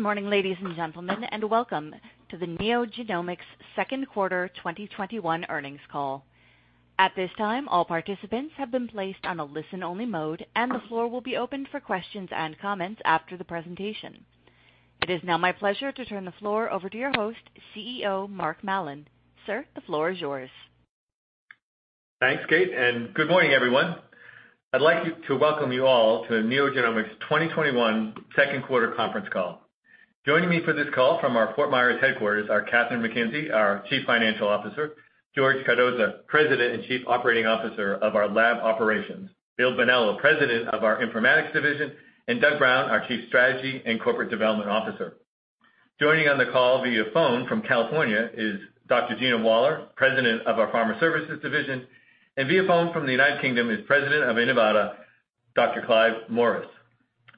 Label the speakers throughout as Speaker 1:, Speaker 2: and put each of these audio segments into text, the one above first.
Speaker 1: Good morning, ladies and gentlemen, welcome to the NeoGenomics second quarter 2021 earnings call. At this time, all participants have been placed on a listen-only mode, and the floor will be opened for questions and comments after the presentation. It is now my pleasure to turn the floor over to your host, CEO, Mark Mallon. Sir, the floor is yours.
Speaker 2: Thanks, Kate, and good morning, everyone. I'd like to welcome you all to NeoGenomics' 2021 second quarter conference call. Joining me for this call from our Fort Myers headquarters are Kathryn McKenzie, our Chief Financial Officer, George Cardoza, President and Chief Operating Officer of our Lab Operations, Bill Bonello, President of our Informatics Division, and Doug Brown, our Chief Strategy and Corporate Development Officer. Joining on the call via phone from California is Dr. Gina Wallar, President of our Pharma Services Division, and via phone from the United Kingdom is President of Inivata, Dr. Clive Morris.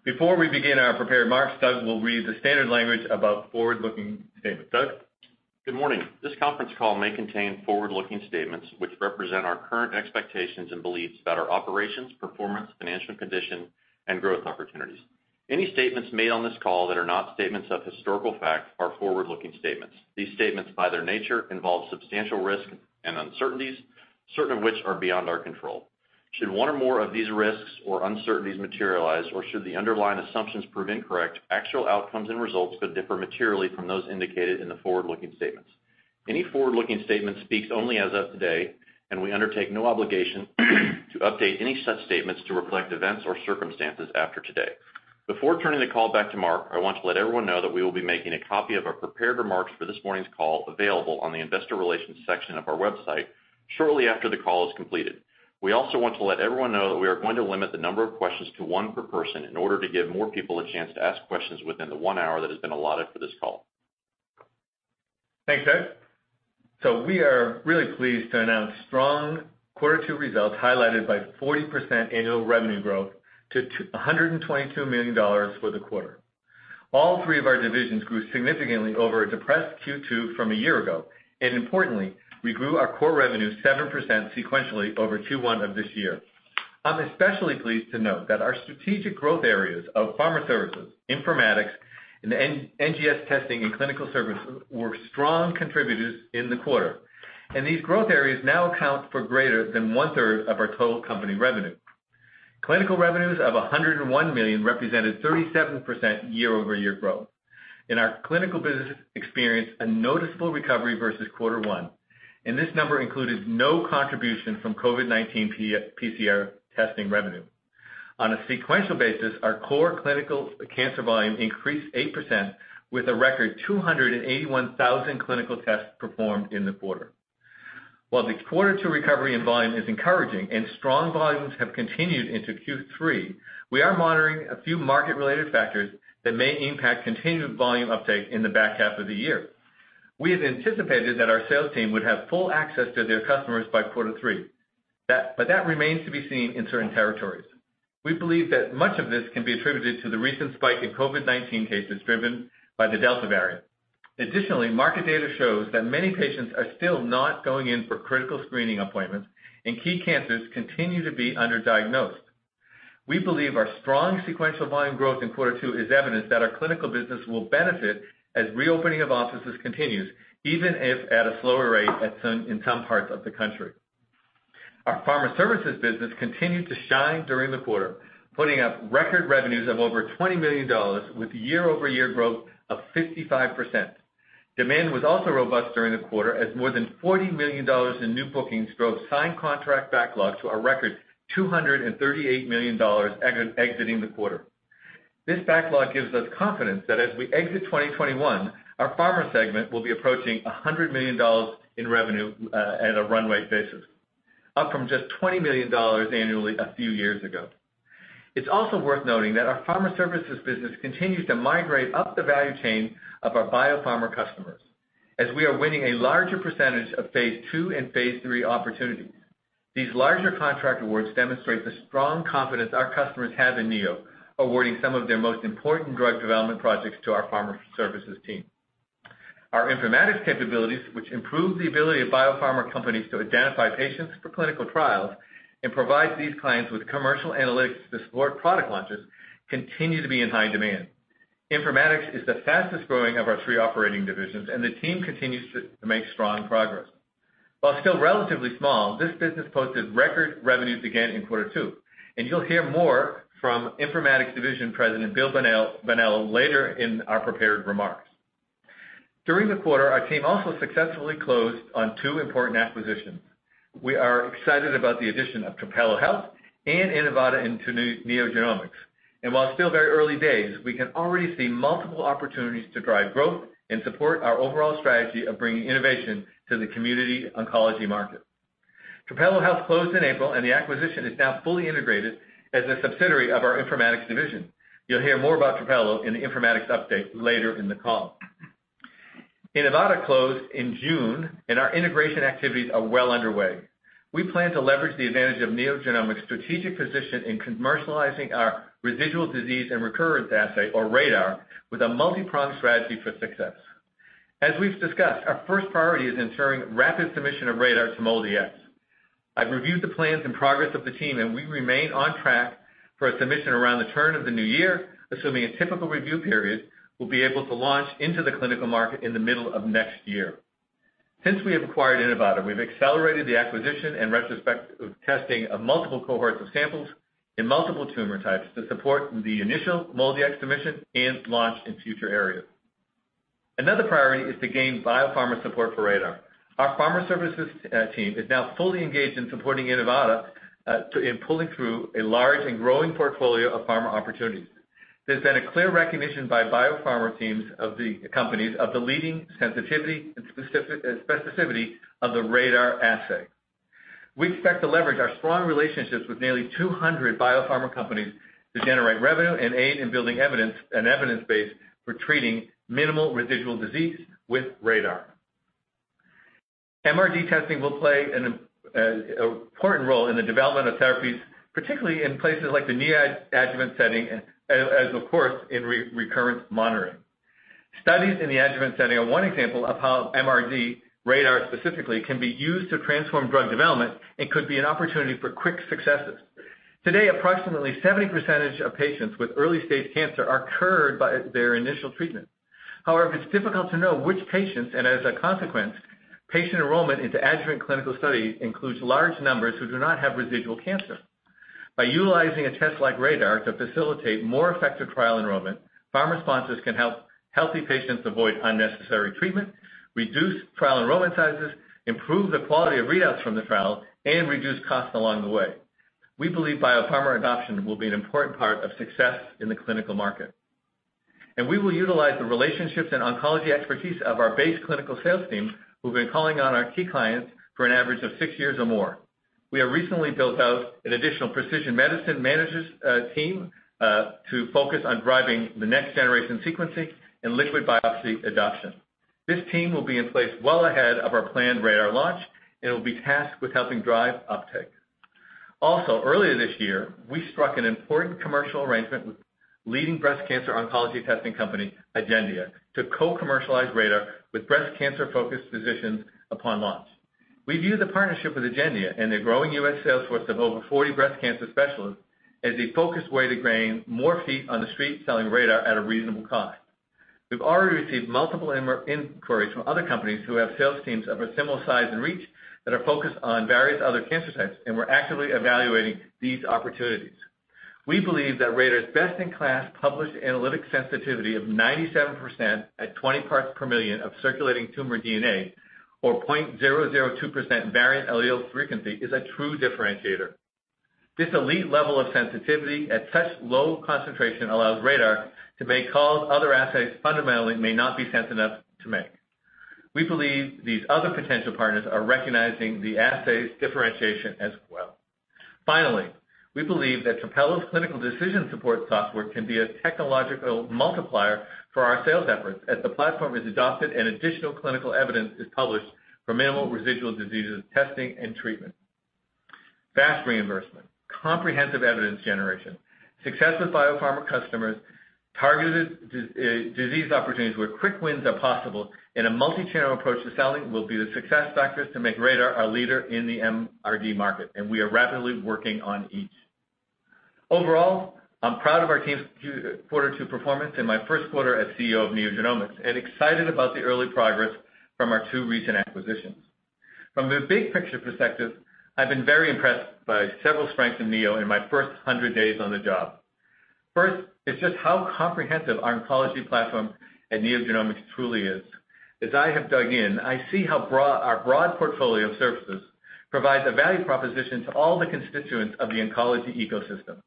Speaker 2: Before we begin our prepared remarks, Doug will read the standard language about forward-looking statements. Doug?
Speaker 3: Good morning. This conference call may contain forward-looking statements, which represent our current expectations and beliefs about our operations, performance, financial condition, and growth opportunities. Any statements made on this call that are not statements of historical fact are forward-looking statements. These statements, by their nature, involve substantial risk and uncertainties, certain of which are beyond our control. Should one or more of these risks or uncertainties materialize, or should the underlying assumptions prove incorrect, actual outcomes and results could differ materially from those indicated in the forward-looking statements. Any forward-looking statements speaks only as of today, and we undertake no obligation to update any such statements to reflect events or circumstances after today. Before turning the call back to Mark, I want to let everyone know that we will be making a copy of our prepared remarks for this morning's call available on the investor relations section of our website shortly after the call is completed. We also want to let everyone know that we are going to limit the number of questions to one per person in order to give more people a chance to ask questions within the one hour that has been allotted for this call.
Speaker 2: Thanks, Doug. We are really pleased to announce strong quarter two results, highlighted by 40% annual revenue growth to $122 million for the quarter. All three of our divisions grew significantly over a depressed Q2 from a year ago, and importantly, we grew our core revenue 7% sequentially over Q1 of this year. I'm especially pleased to note that our strategic growth areas of Pharma Services, Informatics, and NGS testing and clinical services were strong contributors in the quarter. These growth areas now account for greater than one-third of our total company revenue. Clinical revenues of $101 million represented 37% year-over-year growth, and our clinical business experienced a noticeable recovery versus quarter one, and this number included no contribution from COVID-19 PCR testing revenue. On a sequential basis, our core clinical cancer volume increased 8% with a record 281,000 clinical tests performed in the quarter. While the quarter two recovery in volume is encouraging and strong volumes have continued into Q3, we are monitoring a few market-related factors that may impact continued volume uptake in the back half of the year. We had anticipated that our sales team would have full access to their customers by quarter three, but that remains to be seen in certain territories. We believe that much of this can be attributed to the recent spike in COVID-19 cases driven by the Delta variant. Additionally, market data shows that many patients are still not going in for critical screening appointments and key cancers continue to be underdiagnosed. We believe our strong sequential volume growth in quarter two is evidence that our clinical business will benefit as reopening of offices continues, even if at a slower rate in some parts of the country. Our Pharma Services business continued to shine during the quarter, putting up record revenues of over $20 million with year-over-year growth of 55%. Demand was also robust during the quarter as more than $40 million in new bookings drove signed contract backlog to a record $238 million exiting the quarter. This backlog gives us confidence that as we exit 2021, our Pharma segment will be approaching $100 million in revenue at a runway basis, up from just $20 million annually a few years ago. It's also worth noting that our Pharma Services business continues to migrate up the value chain of our biopharma customers, as we are winning a larger percentage of phase II and phase III opportunities. These larger contract awards demonstrate the strong confidence our customers have in NeoGenomics, awarding some of their most important drug development projects to our Pharma Services team. Our informatics capabilities, which improve the ability of biopharma companies to identify patients for clinical trials and provide these clients with commercial analytics to support product launches, continue to be in high demand. Informatics is the fastest-growing of our three operating divisions, and the team continues to make strong progress. While still relatively small, this business posted record revenues again in quarter two, and you'll hear more from Informatics Division President, Bill Bonello, later in our prepared remarks. During the quarter, our team also successfully closed on two important acquisitions. We are excited about the addition of Trapelo Health and Inivata into NeoGenomics. While it's still very early days, we can already see multiple opportunities to drive growth and support our overall strategy of bringing innovation to the community oncology market. Trapelo Health closed in April, the acquisition is now fully integrated as a subsidiary of our Informatics Division. You'll hear more about Trapelo in the Informatics update later in the call. Inivata closed in June, our integration activities are well underway. We plan to leverage the advantage of NeoGenomics' strategic position in commercializing our residual disease and recurrence assay, or RaDaR, with a multi-pronged strategy for success. As we've discussed, our first priority is ensuring rapid submission of RaDaR to MolDX. I've reviewed the plans and progress of the team, we remain on track for a submission around the turn of the new year. Assuming a typical review period, we'll be able to launch into the clinical market in the middle of next year. Since we acquired Inivata, we've accelerated the acquisition and retrospective testing of multiple cohorts of samples in multiple tumor types to support the initial MolDX submission and launch in future areas. Another priority is to gain biopharma support for RaDaR. Our Pharma Services team is now fully engaged in supporting Inivata, in pulling through a large and growing portfolio of Pharma opportunities. There's been a clear recognition by biopharma teams of the companies of the leading sensitivity and specificity of the RaDaR assay. We expect to leverage our strong relationships with nearly 200 biopharma companies to generate revenue and aid in building an evidence base for treating minimal residual disease with RaDaR. MRD testing will play an important role in the development of therapies, particularly in places like the neoadjuvant setting and as of course, in recurrence monitoring. Studies in the adjuvant setting are one example of how MRD, RaDaR specifically, can be used to transform drug development and could be an opportunity for quick successes. Today, approximately 70% of patients with early-stage cancer are cured by their initial treatment. However, it's difficult to know which patients, and as a consequence, patient enrollment into adjuvant clinical studies includes large numbers who do not have residual cancer. By utilizing a test like RaDaR to facilitate more effective trial enrollment, pharma sponsors can help healthy patients avoid unnecessary treatment, reduce trial enrollment sizes, improve the quality of readouts from the trials, and reduce costs along the way. We believe biopharma adoption will be an important part of success in the clinical market. We will utilize the relationships and oncology expertise of our base clinical sales team who've been calling on our key clients for an average of six years or more. We have recently built out an additional precision medicine managers team to focus on driving the next generation sequencing and liquid biopsy adoption. This team will be in place well ahead of our planned RaDaR launch, and it will be tasked with helping drive uptake. Earlier this year, we struck an important commercial arrangement with leading breast cancer oncology testing company, Agendia, to co-commercialize RaDaR with breast cancer-focused physicians upon launch. We view the partnership with Agendia and their growing U.S. sales force of over 40 breast cancer specialists as a focused way to gain more feet on the street selling RaDaR at a reasonable cost. We've already received multiple inquiries from other companies who have sales teams of a similar size and reach that are focused on various other cancer types, and we're actively evaluating these opportunities. We believe that RaDaR's best-in-class published analytic sensitivity of 97% at 20 parts per million of circulating tumor DNA or 0.002% variant allele frequency is a true differentiator. This elite level of sensitivity at such low concentration allows RaDaR to make calls other assays fundamentally may not be sensitive enough to make. We believe these other potential partners are recognizing the assay's differentiation as well. Finally, we believe that Trapelo's clinical decision support software can be a technological multiplier for our sales efforts as the platform is adopted and additional clinical evidence is published for minimal residual disease testing and treatment. Fast reimbursement, comprehensive evidence generation, success with biopharma customers, targeted disease opportunities where quick wins are possible, and a multi-channel approach to selling will be the success factors to make RaDaR a leader in the MRD market, and we are rapidly working on each. Overall, I'm proud of our team's Q2 performance and my first quarter as CEO of NeoGenomics, and excited about the early progress from our two recent acquisitions. From the big picture perspective, I've been very impressed by several strengths in Neo in my first 100 days on the job. First is just how comprehensive our oncology platform at NeoGenomics truly is. As I have dug in, I see how our broad portfolio of services provides a value proposition to all the constituents of the oncology ecosystem,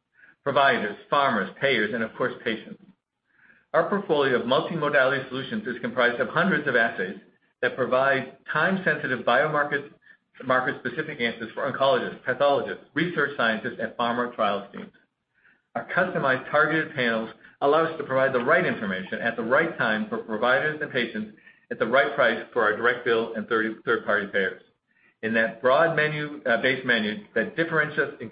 Speaker 2: providers, pharmas, payers, and of course, patients. Our portfolio of multimodality solutions is comprised of hundreds of assays that provide time-sensitive biomarker-specific answers for oncologists, pathologists, research scientists, and pharma trial teams. Our customized targeted panels allow us to provide the right information at the right time for providers and patients at the right price for our direct bill and third-party payers. That broad base menu that differentiates us in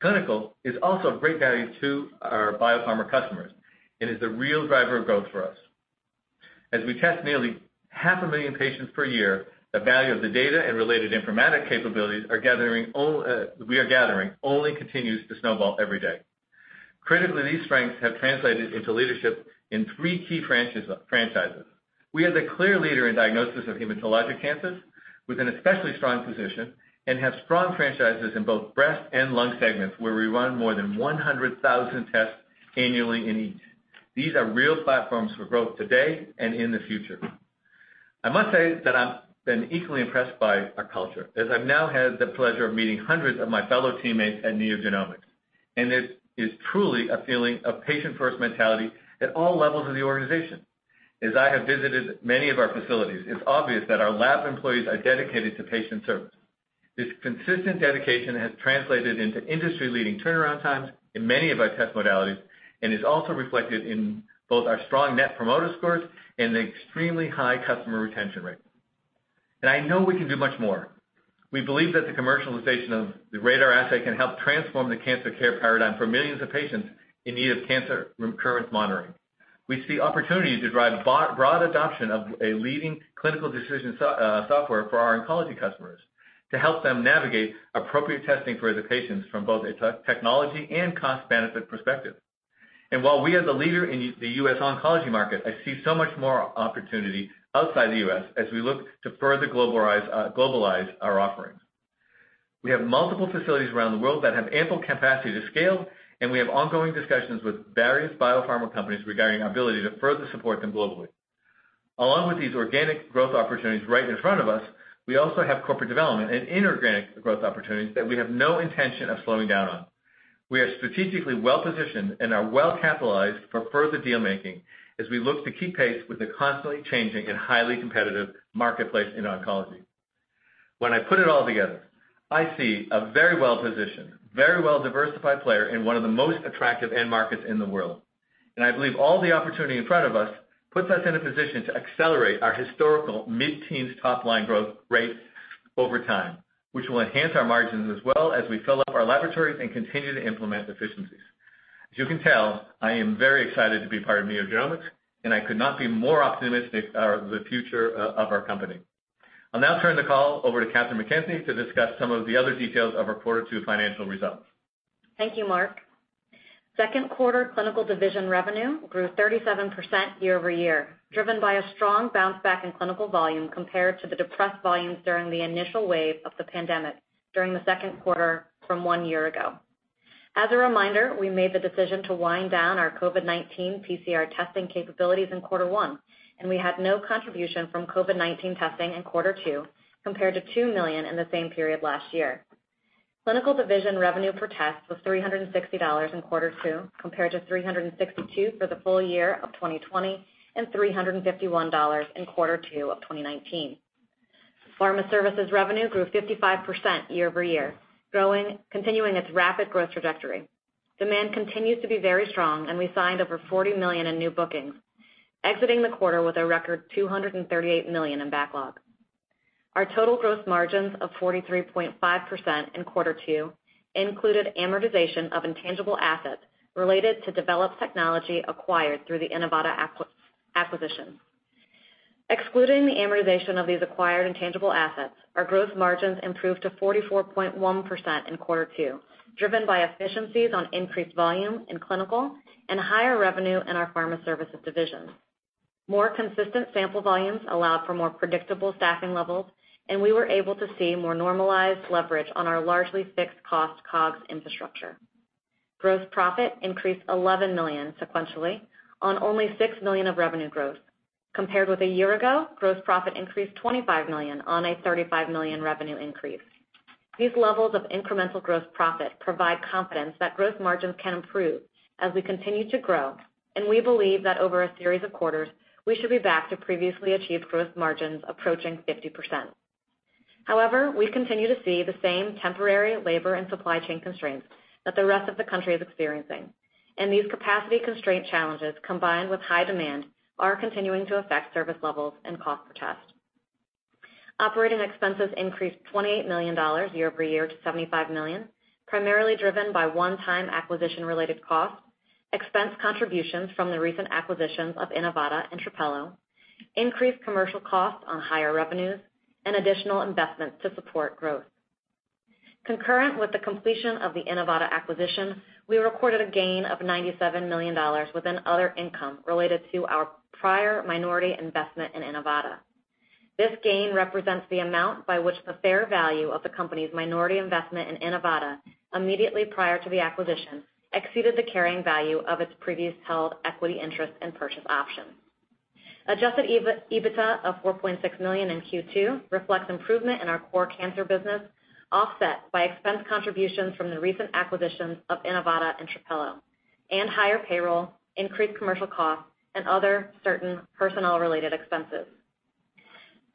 Speaker 2: clinical, is also of great value to our biopharma customers and is a real driver of growth for us. As we test nearly 500,000 patients per year, the value of the data and related informatics capabilities we are gathering only continues to snowball every day. Critically, these strengths have translated into leadership in three key franchises. We are the clear leader in diagnosis of hematologic cancers with an especially strong position and have strong franchises in both breast and lung segments, where we run more than 100,000 tests annually in each. These are real platforms for growth today and in the future. I must say that I've been equally impressed by our culture, as I've now had the pleasure of meeting hundreds of my fellow teammates at NeoGenomics, and it is truly a feeling of patient first mentality at all levels of the organization. As I have visited many of our facilities, it's obvious that our lab employees are dedicated to patient service. This consistent dedication has translated into industry-leading turnaround times in many of our test modalities and is also reflected in both our strong net promoter scores and the extremely high customer retention rate. I know we can do much more. We believe that the commercialization of the RaDaR assay can help transform the cancer care paradigm for millions of patients in need of cancer recurrence monitoring. We see opportunities to drive broad adoption of a leading clinical decision software for our oncology customers to help them navigate appropriate testing for their patients from both a technology and cost-benefit perspective. While we are the leader in the U.S. oncology market, I see so much more opportunity outside the U.S. as we look to further globalize our offerings. We have multiple facilities around the world that have ample capacity to scale. We have ongoing discussions with various biopharma companies regarding our ability to further support them globally. Along with these organic growth opportunities right in front of us, we also have corporate development and inorganic growth opportunities that we have no intention of slowing down on. We are strategically well-positioned and are well-capitalized for further deal-making as we look to keep pace with the constantly changing and highly competitive marketplace in oncology. When I put it all together, I see a very well-positioned, very well-diversified player in one of the most attractive end markets in the world. I believe all the opportunity in front of us puts us in a position to accelerate our historical mid-teens top-line growth rate over time, which will enhance our margins as well as we fill up our laboratories and continue to implement efficiencies. As you can tell, I am very excited to be part of NeoGenomics, I could not be more optimistic of the future of our company. I'll now turn the call over to Kathryn McKenzie to discuss some of the other details of our quarter two financial results.
Speaker 4: Thank you, Mark. Second quarter clinical division revenue grew 37% year-over-year, driven by a strong bounce back in clinical volume compared to the depressed volumes during the initial wave of the pandemic during the second quarter from one year ago. As a reminder, we made the decision to wind down our COVID-19 PCR testing capabilities in quarter one, and we had no contribution from COVID-19 testing in quarter two compared to $2 million in the same period last year. Clinical division revenue per test was $360 in quarter two, compared to $362 for the full year of 2020 and $351 in quarter two of 2019. Pharma Services revenue grew 55% year-over-year, continuing its rapid growth trajectory. Demand continues to be very strong, and we signed over $40 million in new bookings, exiting the quarter with a record $238 million in backlog. Our total gross margins of 43.5% in quarter two included amortization of intangible assets related to developed technology acquired through the Inivata acquisition. Excluding the amortization of these acquired intangible assets, our gross margins improved to 44.1% in quarter two, driven by efficiencies on increased volume in clinical and higher revenue in our Pharma Services Division. More consistent sample volumes allowed for more predictable staffing levels, and we were able to see more normalized leverage on our largely fixed-cost COGS infrastructure. Gross profit increased $11 million sequentially on only $6 million of revenue growth. Compared with a year ago, gross profit increased $25 million on a $35 million revenue increase. These levels of incremental gross profit provide confidence that gross margins can improve as we continue to grow, and we believe that over a series of quarters, we should be back to previously achieved gross margins approaching 50%. However, we continue to see the same temporary labor and supply chain constraints that the rest of the country is experiencing. These capacity constraint challenges, combined with high demand, are continuing to affect service levels and cost per test. Operating expenses increased $28 million year-over-year to $75 million, primarily driven by one-time acquisition-related costs, expense contributions from the recent acquisitions of Inivata and Trapelo, increased commercial costs on higher revenues, and additional investments to support growth. Concurrent with the completion of the Inivata acquisition, we recorded a gain of $97 million within other income related to our prior minority investment in Inivata. This gain represents the amount by which the fair value of the company's minority investment in Inivata immediately prior to the acquisition exceeded the carrying value of its previously held equity interest and purchase option. Adjusted EBITDA of $4.6 million in Q2 reflects improvement in our core cancer business, offset by expense contributions from the recent acquisitions of Inivata and Trapelo and higher payroll, increased commercial costs, and other certain personnel-related expenses.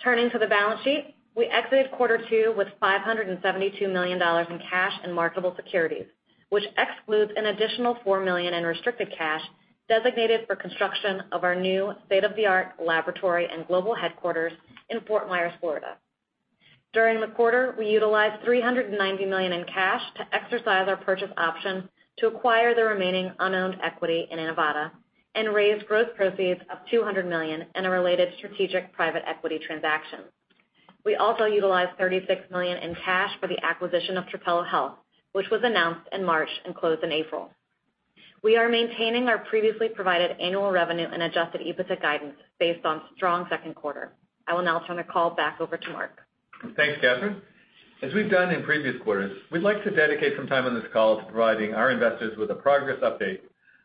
Speaker 4: Turning to the balance sheet. We exited quarter two with $572 million in cash and marketable securities, which excludes an additional $4 million in restricted cash designated for construction of our new state-of-the-art laboratory and global headquarters in Fort Myers, Florida. During the quarter, we utilized $390 million in cash to exercise our purchase option to acquire the remaining unowned equity in Inivata and raised gross proceeds of $200 million in a related strategic private equity transaction. We also utilized $36 million in cash for the acquisition of Trapelo Health, which was announced in March and closed in April. We are maintaining our previously provided annual revenue and adjusted EBITDA guidance based on strong second quarter. I will now turn the call back over to Mark.
Speaker 2: Thanks, Kathryn. As we've done in previous quarters, we'd like to dedicate some time on this call to providing our investors with a progress update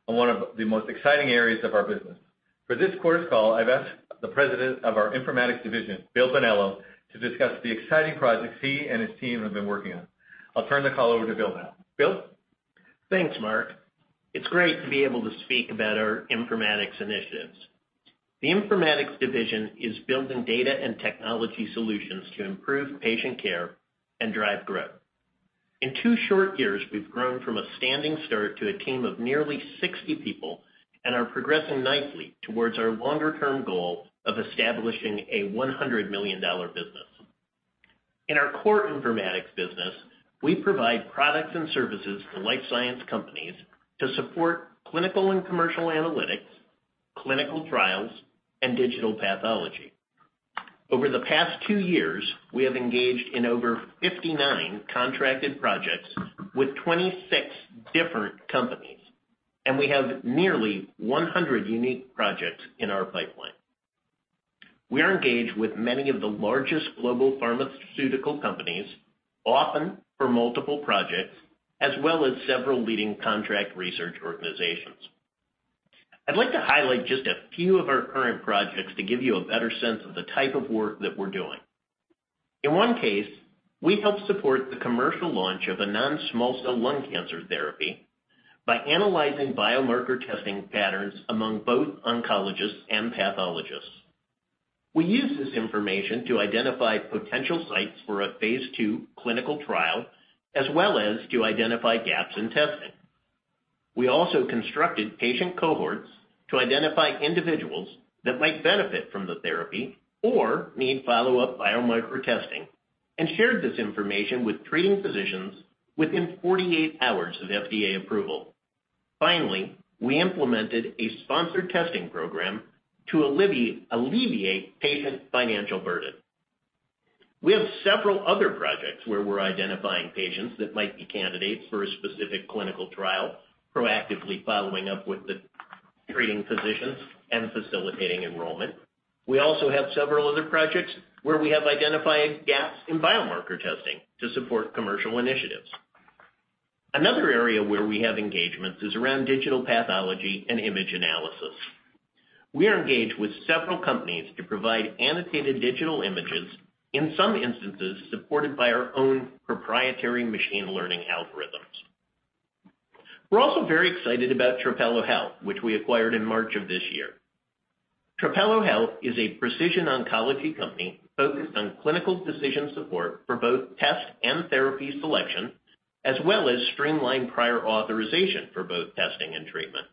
Speaker 2: on one of the most exciting areas of our business. For this quarter's call, I've asked the President of our Informatics Division, Bill Bonello, to discuss the exciting projects he and his team have been working on. I'll turn the call over to Bill now. Bill?
Speaker 5: Thanks, Mark. It's great to be able to speak about our Informatics initiatives. The Informatics Division is building data and technology solutions to improve patient care and drive growth. In two short years, we've grown from a standing start to a team of nearly 60 people and are progressing nicely towards our longer-term goal of establishing a $100 million business. In our core informatics business, we provide products and services to life science companies to support clinical and commercial analytics, clinical trials, and digital pathology. Over the past two years, we have engaged in over 59 contracted projects with 26 different companies. We have nearly 100 unique projects in our pipeline. We are engaged with many of the largest global pharmaceutical companies, often for multiple projects, as well as several leading Contract Research Organizations. I'd like to highlight just a few of our current projects to give you a better sense of the type of work that we're doing. In one case, we helped support the commercial launch of a non-small cell lung cancer therapy by analyzing biomarker testing patterns among both oncologists and pathologists. We used this information to identify potential sites for a phase II clinical trial, as well as to identify gaps in testing. We also constructed patient cohorts to identify individuals that might benefit from the therapy or need follow-up biomarker testing, and shared this information with treating physicians within 48 hours of FDA approval. Finally, we implemented a sponsored testing program to alleviate patient financial burden. We have several other projects where we're identifying patients that might be candidates for a specific clinical trial, proactively following up with the treating physicians and facilitating enrollment. We also have several other projects where we have identified gaps in biomarker testing to support commercial initiatives. Another area where we have engagements is around digital pathology and image analysis. We are engaged with several companies to provide annotated digital images, in some instances, supported by our own proprietary machine learning algorithms. We are also very excited about Trapelo Health, which we acquired in March of this year. Trapelo Health is a precision oncology company focused on clinical decision support for both test and therapy selection, as well as streamlined prior authorization for both testing and treatment.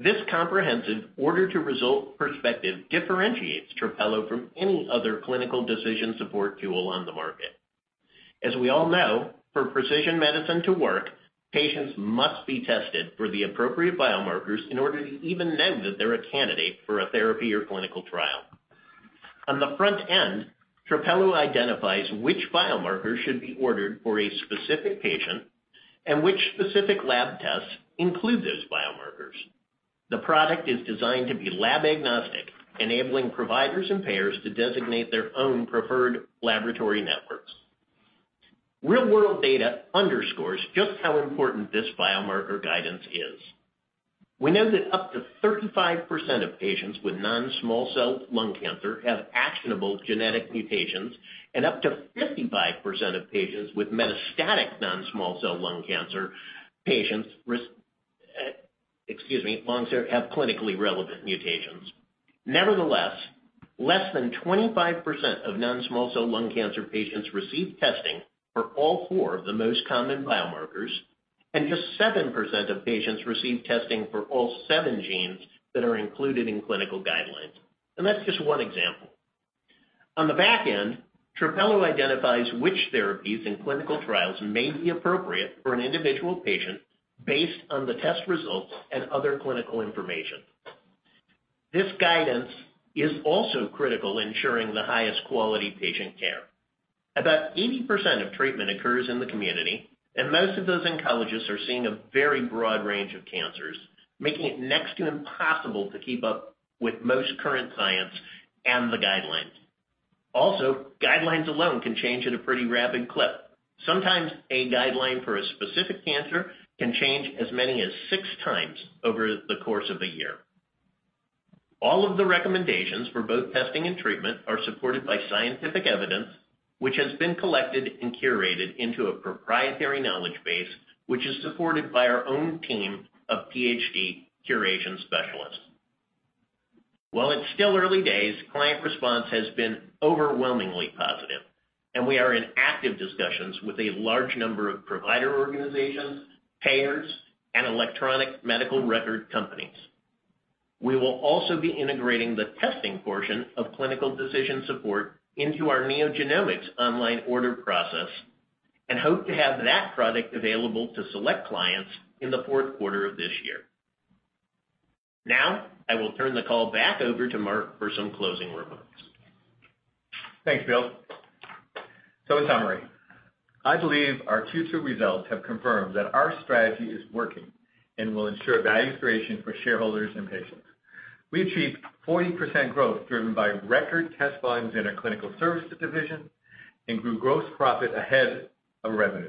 Speaker 5: This comprehensive order-to-result perspective differentiates Trapelo from any other clinical decision support tool on the market. As we all know, for precision medicine to work, patients must be tested for the appropriate biomarkers in order to even know that they are a candidate for a therapy or clinical trial. On the front end, Trapelo identifies which biomarkers should be ordered for a specific patient and which specific lab tests include those biomarkers. The product is designed to be lab agnostic, enabling providers and payers to designate their own preferred laboratory networks. Real-world data underscores just how important this biomarker guidance is. We know that up to 35% of patients with non-small cell lung cancer have actionable genetic mutations, and up to 55% of patients with metastatic non-small cell lung cancer, have clinically relevant mutations. Nevertheless, less than 25% of non-small cell lung cancer patients receive testing for all four of the most common biomarkers, and just 7% of patients receive testing for all seven genes that are included in clinical guidelines. That's just one example. On the back end, Trapelo identifies which therapies and clinical trials may be appropriate for an individual patient based on the test results and other clinical information. This guidance is also critical ensuring the highest quality patient care. About 80% of treatment occurs in the community, and most of those oncologists are seeing a very broad range of cancers, making it next to impossible to keep up with most current science and the guidelines. Also, guidelines alone can change at a pretty rapid clip. Sometimes, a guideline for a specific cancer can change as many as six times over the course of a year. All of the recommendations for both testing and treatment are supported by scientific evidence, which has been collected and curated into a proprietary knowledge base, which is supported by our own team of PhD curation specialists. While it's still early days, client response has been overwhelmingly positive, and we are in active discussions with a large number of provider organizations, payers, and electronic medical record companies. We will also be integrating the testing portion of clinical decision support into our NeoGenomics online order process and hope to have that product available to select clients in the fourth quarter of this year. Now, I will turn the call back over to Mark for some closing remarks.
Speaker 2: Thanks, Bill. In summary, I believe our Q2 results have confirmed that our strategy is working and will ensure value creation for shareholders and patients. We achieved 40% growth driven by record test volumes in our Clinical Services Division and grew gross profit ahead of revenue.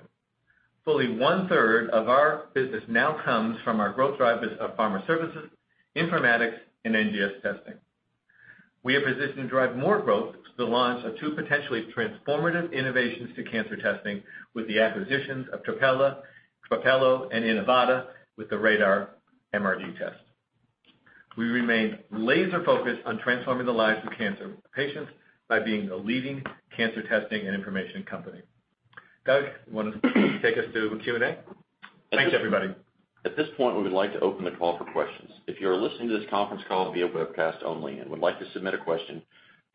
Speaker 2: Fully 1/3 of our business now comes from our growth drivers of Pharma Services, Informatics, and NGS testing. We are positioned to drive more growth with the launch of two potentially transformative innovations to cancer testing with the acquisitions of Trapelo and Inivata with the RaDaR MRD test. We remain laser-focused on transforming the lives of cancer patients by being the leading cancer testing and information company. Doug, you want to take us through Q&A? Thanks, everybody.
Speaker 3: At this point, we would like to open the call for questions. If you are listening to this conference call via webcast only and would like to submit a question,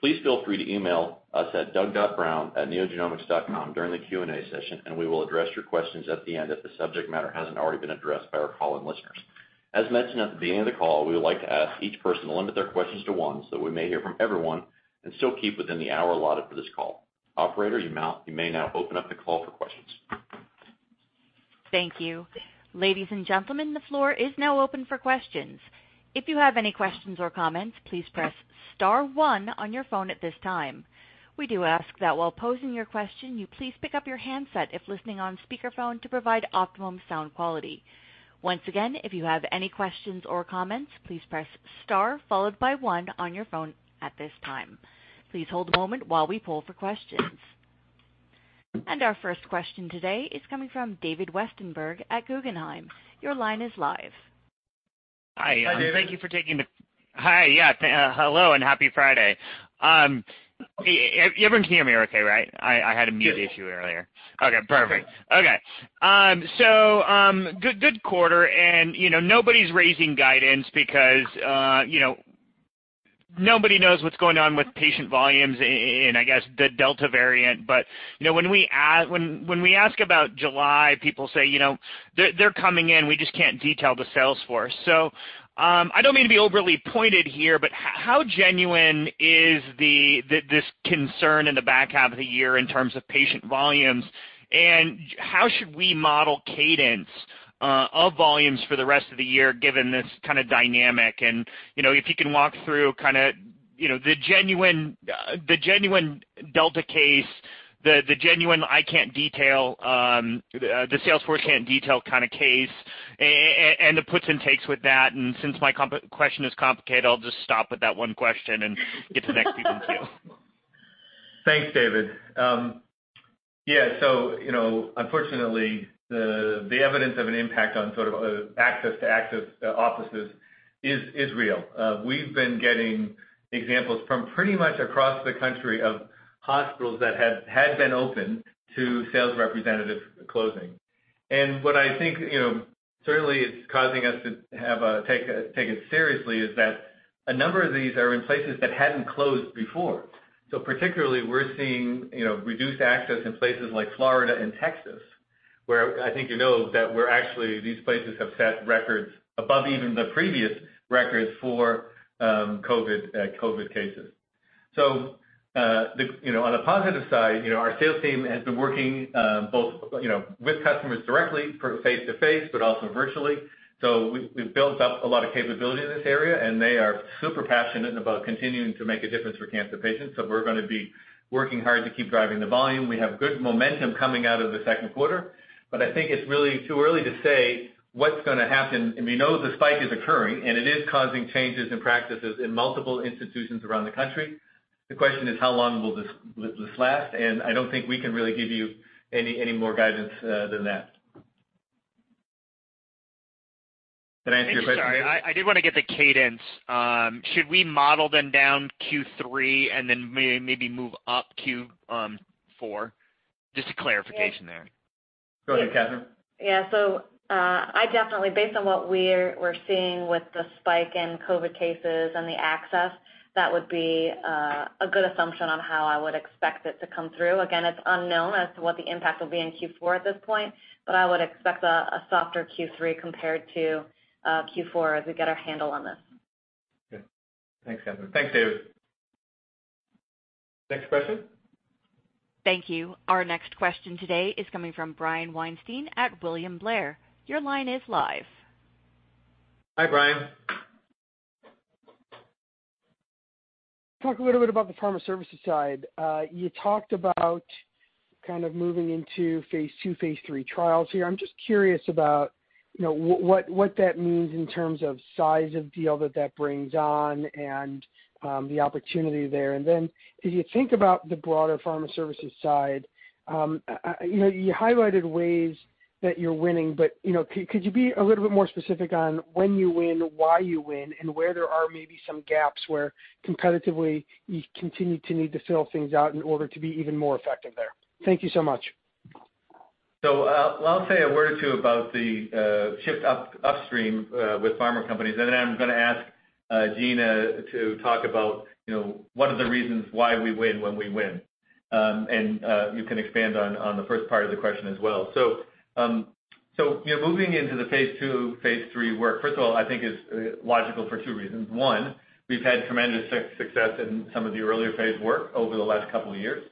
Speaker 3: please feel free to email us at doug.brown@neogenomics.com during the Q&A session, and we will address your questions at the end if the subject matter hasn't already been addressed by our call-in listeners. As mentioned, at the end of the call, we would like to ask each person to limit their questions to one so we may hear from everyone and still keep within the hour allotted for this call. Operator, you may now open up the call for questions.
Speaker 1: Thank you. Ladies and gentlemen, the floor is now open for questions. If you have any questions or comments, please press star one on your phone at this time. We do ask that while posing your question, you please pick up your handset if listening on speakerphone to provide optimum sound quality. Once again, if you have any questions or comments, please press star followed by one on your phone at this time. Please hold a moment while we poll for questions. Our first question today is coming from David Westenberg at Guggenheim. Your line is live.
Speaker 6: Hi.
Speaker 2: Hi, David.
Speaker 6: Hi. Yeah. Hello, and happy Friday. Everyone can hear me okay, right? I had a mute issue earlier.
Speaker 2: Yeah.
Speaker 6: Okay, perfect. Okay. Good quarter, and nobody's raising guidance because nobody knows what's going on with patient volumes and I guess the Delta variant. When we ask about July, people say, "They're coming in. We just can't detail the sales force." I don't mean to be overly pointed here, but how genuine is this concern in the back half of the year in terms of patient volumes, and how should we model cadence of volumes for the rest of the year, given this kind of dynamic? If you can walk through the genuine Delta case, the genuine "the sales force can't detail" kind of case, and the puts and takes with that. Since my question is complicated, I'll just stop with that one question and get to the next people in queue.
Speaker 2: Thanks, David. Yeah. Unfortunately, the evidence of an impact on sort of access to offices is real. We've been getting examples from pretty much across the country of hospitals that had been open to sales representative closing. What I think certainly it's causing us to take it seriously is that a number of these are in places that hadn't closed before. Particularly, we're seeing reduced access in places like Florida and Texas, where I think you know that we're actually, these places have set records above even the previous records for COVID cases. On a positive side, our sales team has been working both with customers directly for face-to-face, but also virtually. We've built up a lot of capability in this area, and they are super passionate about continuing to make a difference for cancer patients, so we're going to be working hard to keep driving the volume. We have good momentum coming out of the second quarter, but I think it's really too early to say what's going to happen. We know the spike is occurring, and it is causing changes in practices in multiple institutions around the country. The question is how long will this last? I don't think we can really give you any more guidance than that. Did I answer your question?
Speaker 6: Sorry. I did want to get the cadence. Should we model then down Q3 and then maybe move up Q4? Just a clarification there.
Speaker 2: Go ahead, Kathryn.
Speaker 4: Yeah. I definitely, based on what we're seeing with the spike in COVID cases and the access, that would be a good assumption on how I would expect it to come through. Again, it's unknown as to what the impact will be in Q4 at this point, but I would expect a softer Q3 compared to Q4 as we get our handle on this.
Speaker 6: Okay. Thanks, Kathryn.
Speaker 2: Thanks, David.
Speaker 3: Next question?
Speaker 1: Thank you. Our next question today is coming from Brian Weinstein at William Blair. Your line is live.
Speaker 2: Hi, Brian.
Speaker 7: Talk a little bit about the Pharma Services side. You talked about kind of moving into phase II, phase III trials here. I'm just curious about what that means in terms of size of deal that that brings on and the opportunity there. Then, as you think about the broader Pharma Services side, you highlighted ways that you're winning, but could you be a little bit more specific on when you win, why you win, and where there are maybe some gaps where competitively you continue to need to fill things out in order to be even more effective there? Thank you so much.
Speaker 2: I'll say a word or two about the shift upstream with pharma companies, and then I'm going to ask Gina to talk about what are the reasons why we win when we win. You can expand on the first part of the question as well. Moving into the phase II, phase III work, first of all, I think is logical for two reasons. One, we've had tremendous success in some of the earlier phase work over the last couple of years,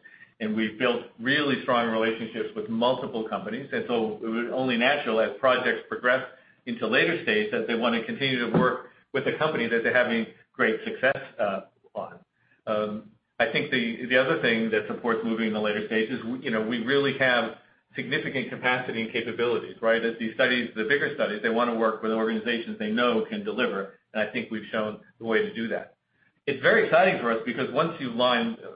Speaker 2: and we've built really strong relationships with multiple companies. It was only natural as projects progress into later stage that they want to continue to work with a company that they're having great success on. I think the other thing that supports moving the later stage is we really have significant capacity and capabilities, right? As the bigger studies, they want to work with organizations they know can deliver, and I think we've shown the way to do that. It's very exciting for us because once you acquire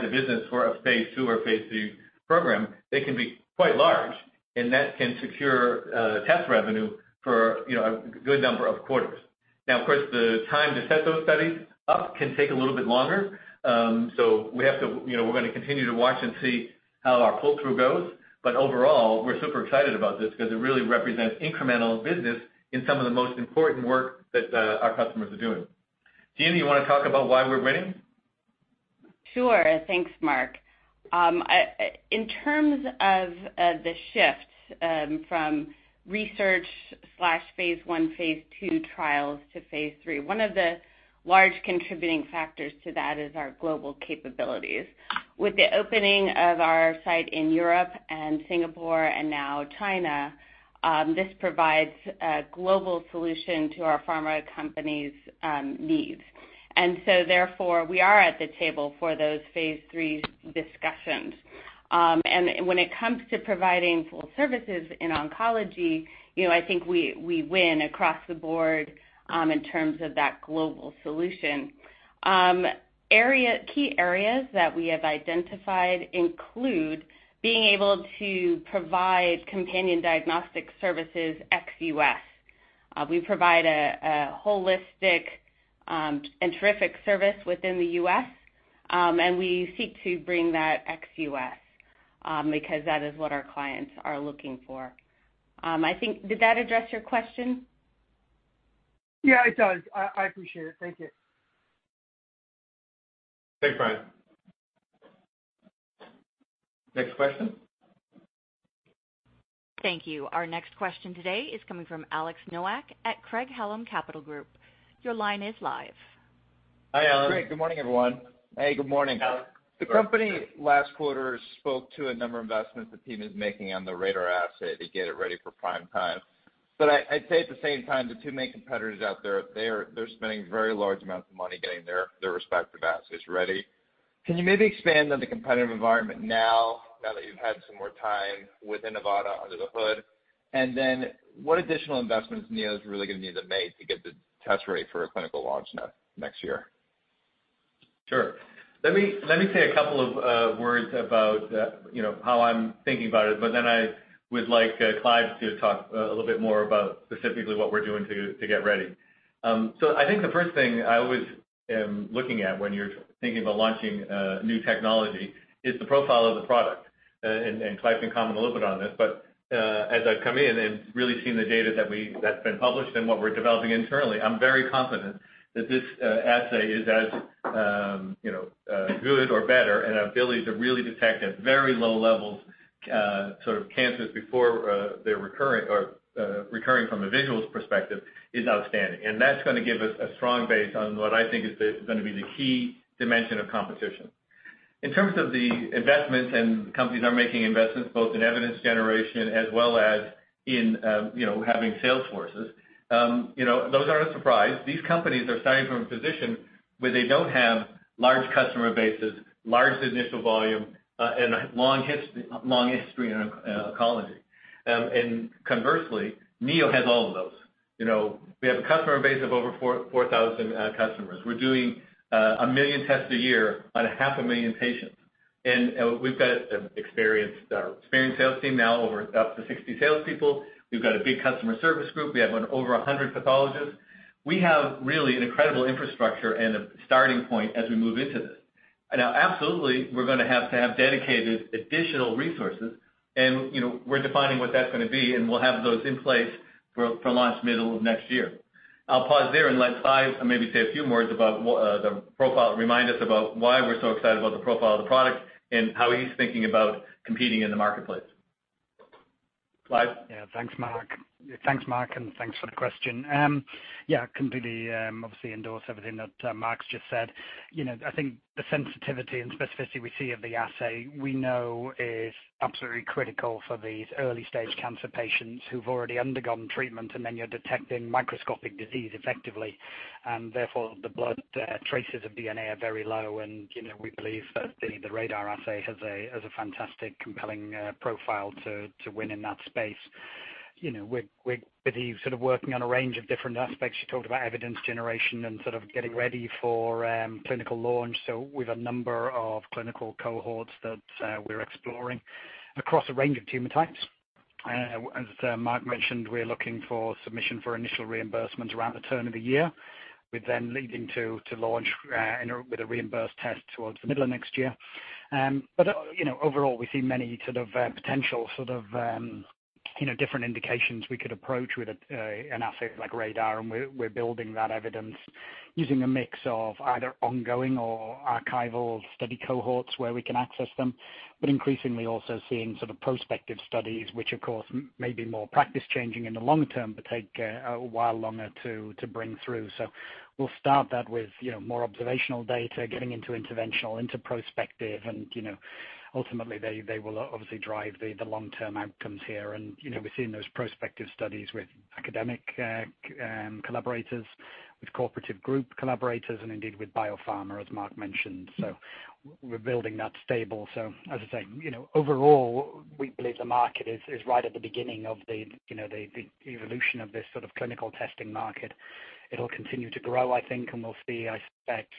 Speaker 2: the business for a phase II or phase III program, they can be quite large, and that can secure test revenue for a good number of quarters. Now, of course, the time to set those studies up can take a little bit longer. We're going to continue to watch and see how our pull-through goes. Overall, we're super excited about this because it really represents incremental business in some of the most important work that our customers are doing. Gina, you want to talk about why we're winning?
Speaker 8: Sure. Thanks, Mark. In terms of the shift from research/phase I, phase II trials to phase III, one of the large contributing factors to that is our global capabilities. With the opening of our site in Europe and Singapore and now China, this provides a global solution to our pharma companies' needs. Therefore, we are at the table for those phase III discussions. When it comes to providing full services in oncology, I think we win across the board in terms of that global solution. Key areas that we have identified include being able to provide companion diagnostic services ex-U.S. We provide a holistic and terrific service within the U.S., and we seek to bring that ex-U.S., because that is what our clients are looking for. Did that address your question?
Speaker 7: Yeah, it does. I appreciate it. Thank you.
Speaker 2: Thanks, Brian.
Speaker 3: Next question.
Speaker 1: Thank you. Our next question today is coming from Alex Nowak at Craig-Hallum Capital Group. Your line is live.
Speaker 2: Hi, Alex.
Speaker 9: Great. Good morning, everyone.
Speaker 2: Hey, good morning, Alex.
Speaker 9: The company last quarter spoke to a number of investments the team is making on the RaDaR assay to get it ready for prime time. I'd say at the same time, the two main competitors out there, they're spending very large amounts of money getting their respective assays ready. Can you maybe expand on the competitive environment now that you've had some more time with Inivata under the hood? What additional investments is Neo really going to need to make to get the test ready for a clinical launch next year?
Speaker 2: Sure. Let me say a couple of words about how I'm thinking about it, but then I would like Clive to talk a little bit more about specifically what we're doing to get ready. I think the first thing I always am looking at when you're thinking about launching a new technology is the profile of the product, and Clive can comment a little bit on this. As I've come in and really seen the data that's been published and what we're developing internally, I'm very confident that this assay is as good or better, and our ability to really detect at very low levels sort of cancers before they're recurring from a visuals perspective is outstanding. That's going to give us a strong base on what I think is going to be the key dimension of competition. In terms of the investments, companies are making investments both in evidence generation as well as in having sales forces. Those aren't a surprise. These companies are starting from a position where they don't have large customer bases, large initial volume, and a long history in oncology. Conversely, Neo has all of those. We have a customer base of over 4,000 customers. We're doing a million tests a year on half a million patients. We've got an experienced sales team now, up to 60 salespeople. We've got a big customer service group. We have over 100 pathologists. We have really an incredible infrastructure and a starting point as we move into this. Now, absolutely, we're going to have to have dedicated additional resources, we're defining what that's going to be, we'll have those in place for launch middle of next year. I'll pause there and let Clive maybe say a few words about the profile, remind us about why we're so excited about the profile of the product and how he's thinking about competing in the marketplace. Clive?
Speaker 10: Yeah. Thanks, Mark. Thanks, Mark. Thanks for the question. Yeah, completely obviously endorse everything that Mark's just said. I think the sensitivity and specificity we see of the assay, we know is absolutely critical for these early-stage cancer patients who've already undergone treatment, and then you're detecting microscopic disease effectively, and therefore the blood traces of DNA are very low. We believe that the RaDaR assay has a fantastic compelling profile to win in that space. We're busy sort of working on a range of different aspects. You talked about evidence generation and sort of getting ready for clinical launch. We've a number of clinical cohorts that we're exploring across a range of tumor types. As Mark mentioned, we're looking for submission for initial reimbursement around the turn of the year, with then leading to launch with a reimbursed test towards the middle of next year. Overall, we see many potential different indications we could approach with an assay like RaDaR, and we're building that evidence using a mix of either ongoing or archival study cohorts where we can access them. Increasingly also seeing sort of prospective studies, which of course may be more practice-changing in the long term, but take a while longer to bring through. We'll start that with more observational data, getting into interventional, into prospective, and ultimately, they will obviously drive the long-term outcomes here. We're seeing those prospective studies with academic collaborators, with cooperative group collaborators, and indeed with biopharma, as Mark mentioned. We're building that stable. As I say, overall, we believe the market is right at the beginning of the evolution of this sort of clinical testing market. It'll continue to grow, I think, and we'll see, I expect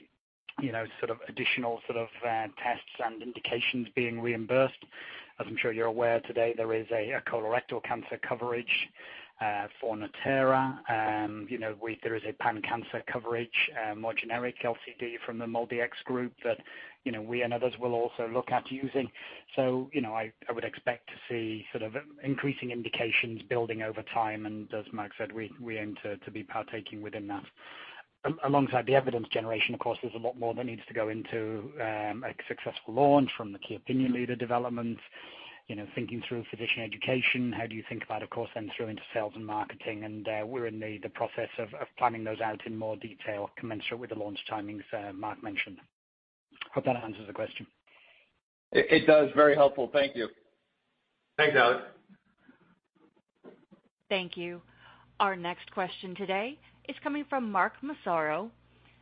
Speaker 10: additional tests and indications being reimbursed. As I'm sure you're aware today there is a colorectal cancer coverage for Natera. There is a pan-cancer coverage, more generic LCD from the MolDX group that we and others will also look at using. I would expect to see increasing indications building over time, and as Mark said, we aim to be partaking within that. Alongside the evidence generation, of course, there's a lot more that needs to go into a successful launch from the key opinion leader development, thinking through physician education. How do you think about, of course, then through into sales and marketing, and we're in the process of planning those out in more detail commensurate with the launch timings Mark mentioned. Hope that answers the question.
Speaker 9: It does. Very helpful. Thank you.
Speaker 3: Thanks, Alex.
Speaker 1: Thank you. Our next question today is coming from Mark Massaro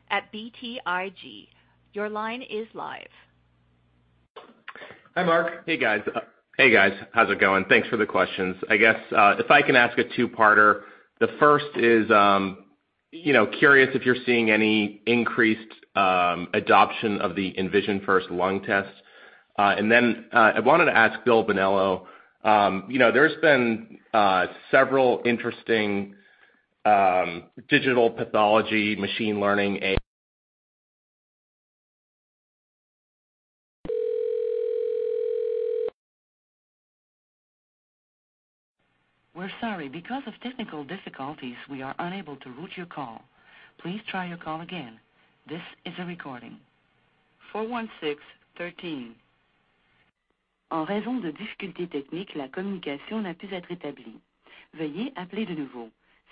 Speaker 1: at BTIG. Your line is live.
Speaker 2: Hi, Mark.
Speaker 11: Hey, guys. How's it going? Thanks for the questions. I guess if I can ask a two-parter, the first is, curious if you're seeing any increased adoption of the InVisionFirst-Lung test. I wanted to ask Bill Bonello. There's been several interesting digital pathology machine learning AI.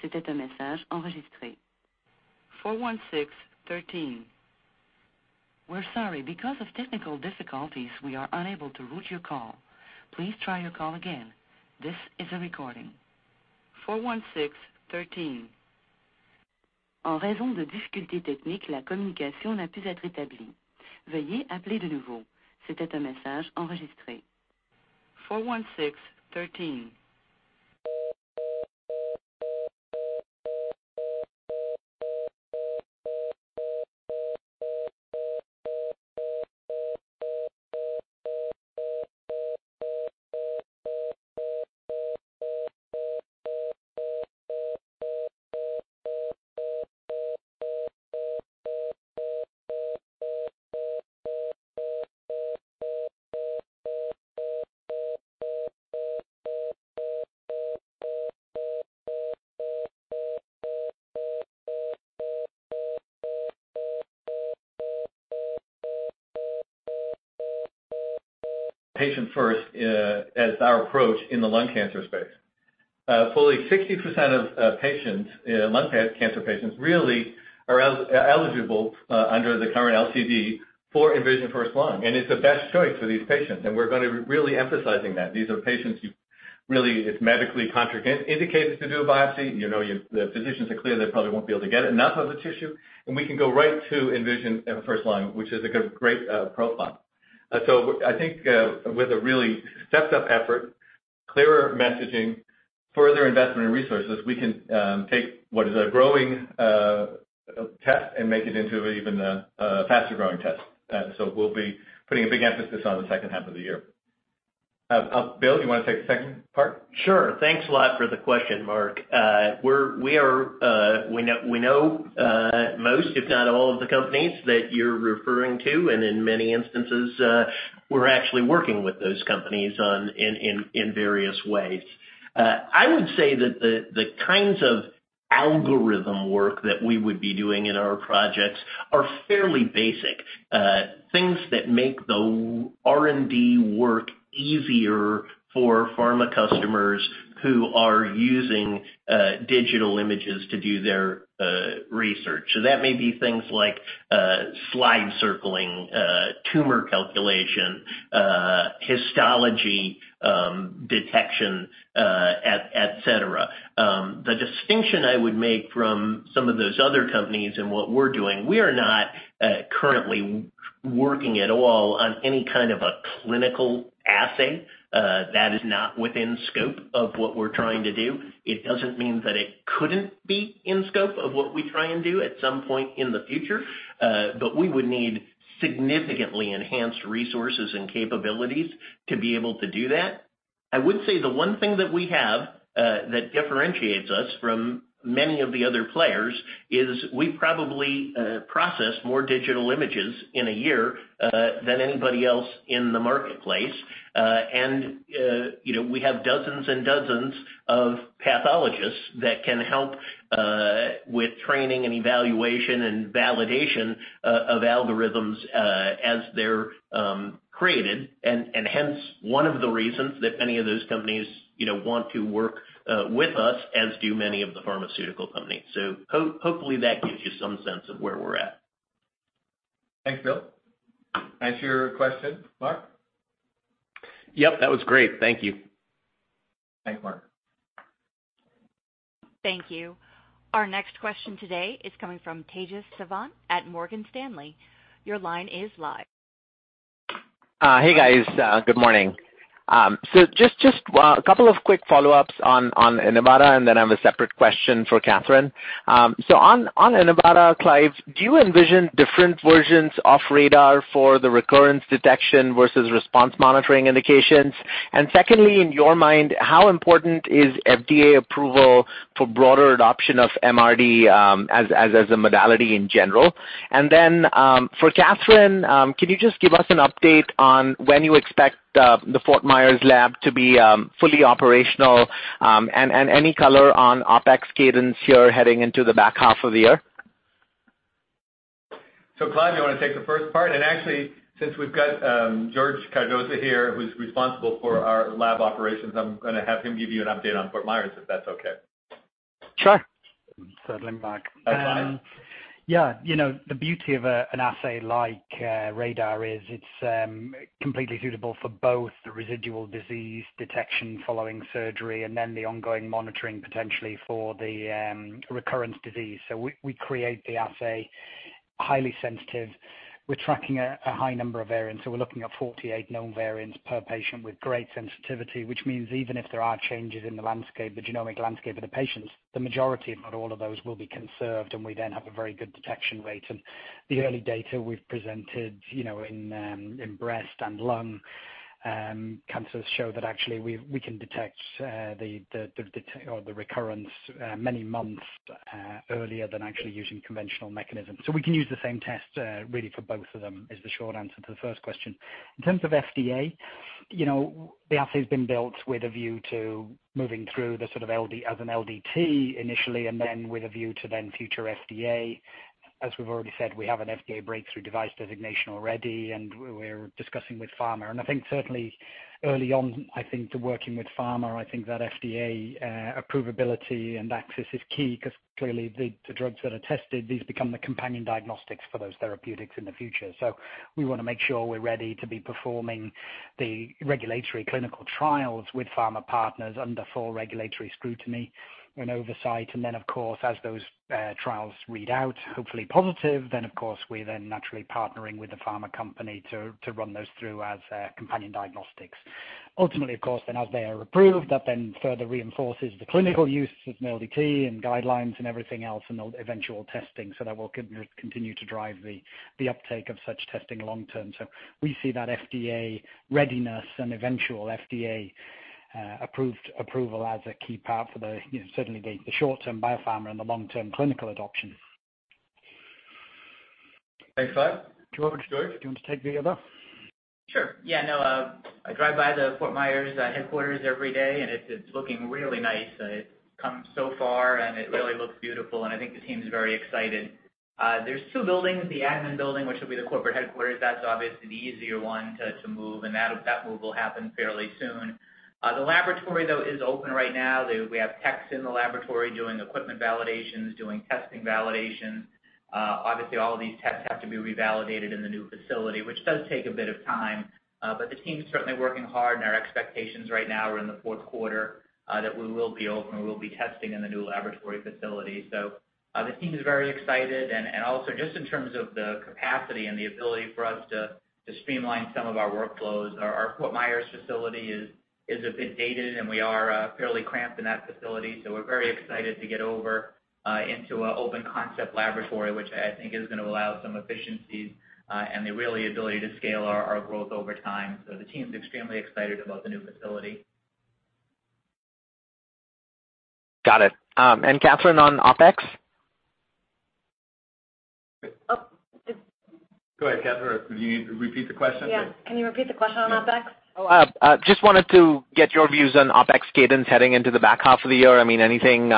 Speaker 2: Patient First as our approach in the lung cancer space. Fully 60% of lung cancer patients really are eligible under the current LCD for InVisionFirst-Lung, and it's the best choice for these patients, and we're going to be really emphasizing that. These are patients who really, it's medically contraindicated to do a biopsy. The physicians are clear they probably won't be able to get enough of the tissue, and we can go right to InVisionFirst-Lung, which is a great profile. I think with a really stepped-up effort, clearer messaging, further investment in resources, we can take what is a growing test and make it into even a faster-growing test. We'll be putting a big emphasis on the second half of the year. Bill, you want to take the second part?
Speaker 5: Sure. Thanks a lot for the question, Mark. We know most, if not all, of the companies that you're referring to, and in many instances, we're actually working with those companies in various ways. I would say that the kinds of algorithm work that we would be doing in our projects are fairly basic. Things that make the R&D work easier for Pharma customers who are using digital images to do their research. That may be things like slide circling, tumor calculation, histology detection, et cetera. The distinction I would make from some of those other companies and what we're doing, we are not currently working at all on any kind of a clinical assay. That is not within scope of what we're trying to do. It doesn't mean that it couldn't be in scope of what we try and do at some point in the future. We would need significantly enhanced resources and capabilities to be able to do that. I would say the one thing that we have that differentiates us from many of the other players is we probably process more digital images in a year than anybody else in the marketplace. We have dozens and dozens of pathologists that can help with training and evaluation and validation of algorithms as they're created, and hence one of the reasons that many of those companies want to work with us, as do many of the pharmaceutical companies. Hopefully that gives you some sense of where we're at.
Speaker 2: Thanks, Bill. Answer your question, Mark?
Speaker 11: Yep, that was great. Thank you.
Speaker 3: Thanks, Mark.
Speaker 1: Thank you. Our next question today is coming from Tejas Savant at Morgan Stanley. Your line is live.
Speaker 12: Hey, guys, good morning. Just two quick follow-ups on Inivata, and then I have a separate question for Kathryn. On Inivata, Clive, do you envision different versions of RaDaR for the recurrence detection versus response monitoring indications? Secondly, in your mind, how important is FDA approval for broader adoption of MRD as a modality in general? Then for Kathryn, can you just give us an update on when you expect the Fort Myers lab to be fully operational, and any color on OpEx cadence here heading into the back half of the year?
Speaker 2: Clive, you want to take the first part? Actually, since we've got George Cardoza here, who's responsible for our lab operations, I'm going to have him give you an update on Fort Myers, if that's okay.
Speaker 10: Sure. Settling back.
Speaker 2: Thanks, George.
Speaker 10: Yeah. The beauty of an assay like RaDaR is it's completely suitable for both the residual disease detection following surgery and then the ongoing monitoring potentially for the recurrence disease. We create the assay, highly sensitive. We're tracking a high number of variants, so we're looking at 48 known variants per patient with great sensitivity, which means even if there are changes in the genomic landscape of the patients, the majority, if not all of those, will be conserved, and we then have a very good detection rate. The early data we've presented in breast and lung cancers show that actually, we can detect the recurrence many months earlier than actually using conventional mechanisms. We can use the same test really for both of them, is the short answer to the first question. In terms of FDA, the assay's been built with a view to moving through the sort of as an LDT initially, then with a view to then future FDA. As we've already said, we have an FDA breakthrough device designation already, we're discussing with pharma. I think certainly early on, I think the working with pharma, I think that FDA approvability and access is key because clearly the drugs that are tested, these become the companion diagnostics for those therapeutics in the future. We want to make sure we're ready to be performing the regulatory clinical trials with pharma partners under full regulatory scrutiny and oversight. Of course, as those trials read out, hopefully positive, then of course, we're then naturally partnering with the pharma company to run those through as companion diagnostics. Ultimately, of course, as they are approved, that then further reinforces the clinical use of an LDT and guidelines and everything else, and the eventual testing. That will continue to drive the uptake of such testing long term. We see that FDA readiness and eventual FDA approval as a key part for certainly the short-term biopharma and the long-term clinical adoption.
Speaker 2: Thanks, Clive. Do you want George, do you want to take the other?
Speaker 13: Sure. Yeah, no. I drive by the Fort Myers headquarters every day, and it's looking really nice. It's come so far, and it really looks beautiful, and I think the team is very excited. There's two buildings, the admin building, which will be the corporate headquarters. That's obviously the easier one to move, and that move will happen fairly soon. The laboratory, though, is open right now. We have techs in the laboratory doing equipment validations, doing testing validations. Obviously, all of these tests have to be revalidated in the new facility, which does take a bit of time. The team's certainly working hard, and our expectations right now are in the fourth quarter, that we will be open, and we will be testing in the new laboratory facility. The team is very excited and also just in terms of the capacity and the ability for us to streamline some of our workflows. Our Fort Myers facility is a bit dated, and we are fairly cramped in that facility. We're very excited to get over into an open concept laboratory, which I think is going to allow some efficiencies, and really the ability to scale our growth over time. The team's extremely excited about the new facility.
Speaker 12: Got it. Kathryn, on OpEx?
Speaker 2: Go ahead, Kathryn, could you repeat the question?
Speaker 4: Yeah. Can you repeat the question on OpEx?
Speaker 12: Just wanted to get your views on OpEx cadence heading into the back half of the year. Anything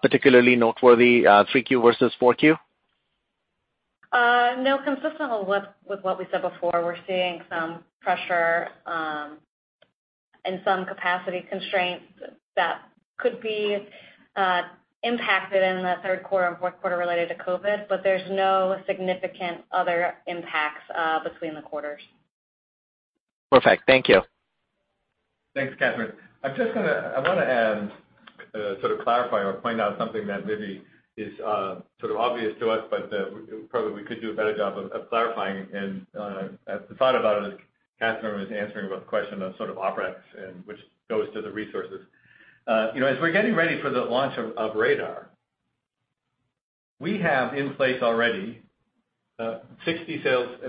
Speaker 12: particularly noteworthy, 3Q versus 4Q?
Speaker 4: No, consistent with what we said before, we're seeing some pressure and some capacity constraints that could be impacted in the third quarter and fourth quarter related to COVID, but there's no significant other impacts between the quarters.
Speaker 12: Perfect. Thank you.
Speaker 2: Thanks, Kathryn. I want to add, sort of clarify or point out something that maybe is sort of obvious to us, but that probably we could do a better job of clarifying and I thought about it as Kathryn was answering the question of sort of OpEx, and which goes to the resources. As we're getting ready for the launch of RaDaR, we have in place already 60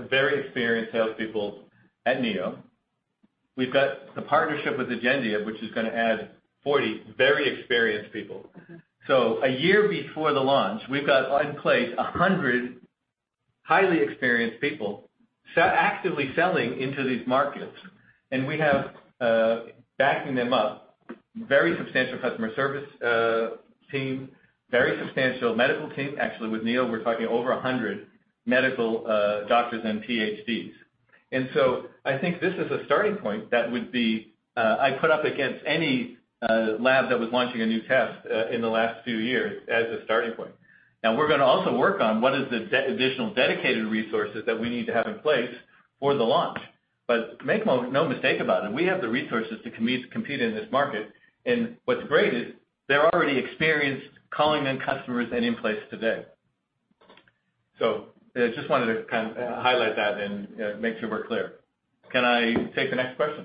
Speaker 2: very experienced salespeople at Neo. We've got the partnership with Agendia, which is going to add 40 very experienced people. A year before the launch, we've got in place 100 highly experienced people, actively selling into these markets. We have, backing them up, very substantial customer service team, very substantial medical team. With Neo, we're talking over 100 medical doctors and Ph.D.s. I think this is a starting point that would be, I put up against any lab that was launching a new test in the last few years as a starting point. We're going to also work on what is the additional dedicated resources that we need to have in place for the launch. Make no mistake about it, we have the resources to compete in this market, and what's great is they're already experienced calling on customers and in place today. Just wanted to highlight that and make sure we're clear. Can I take the next question?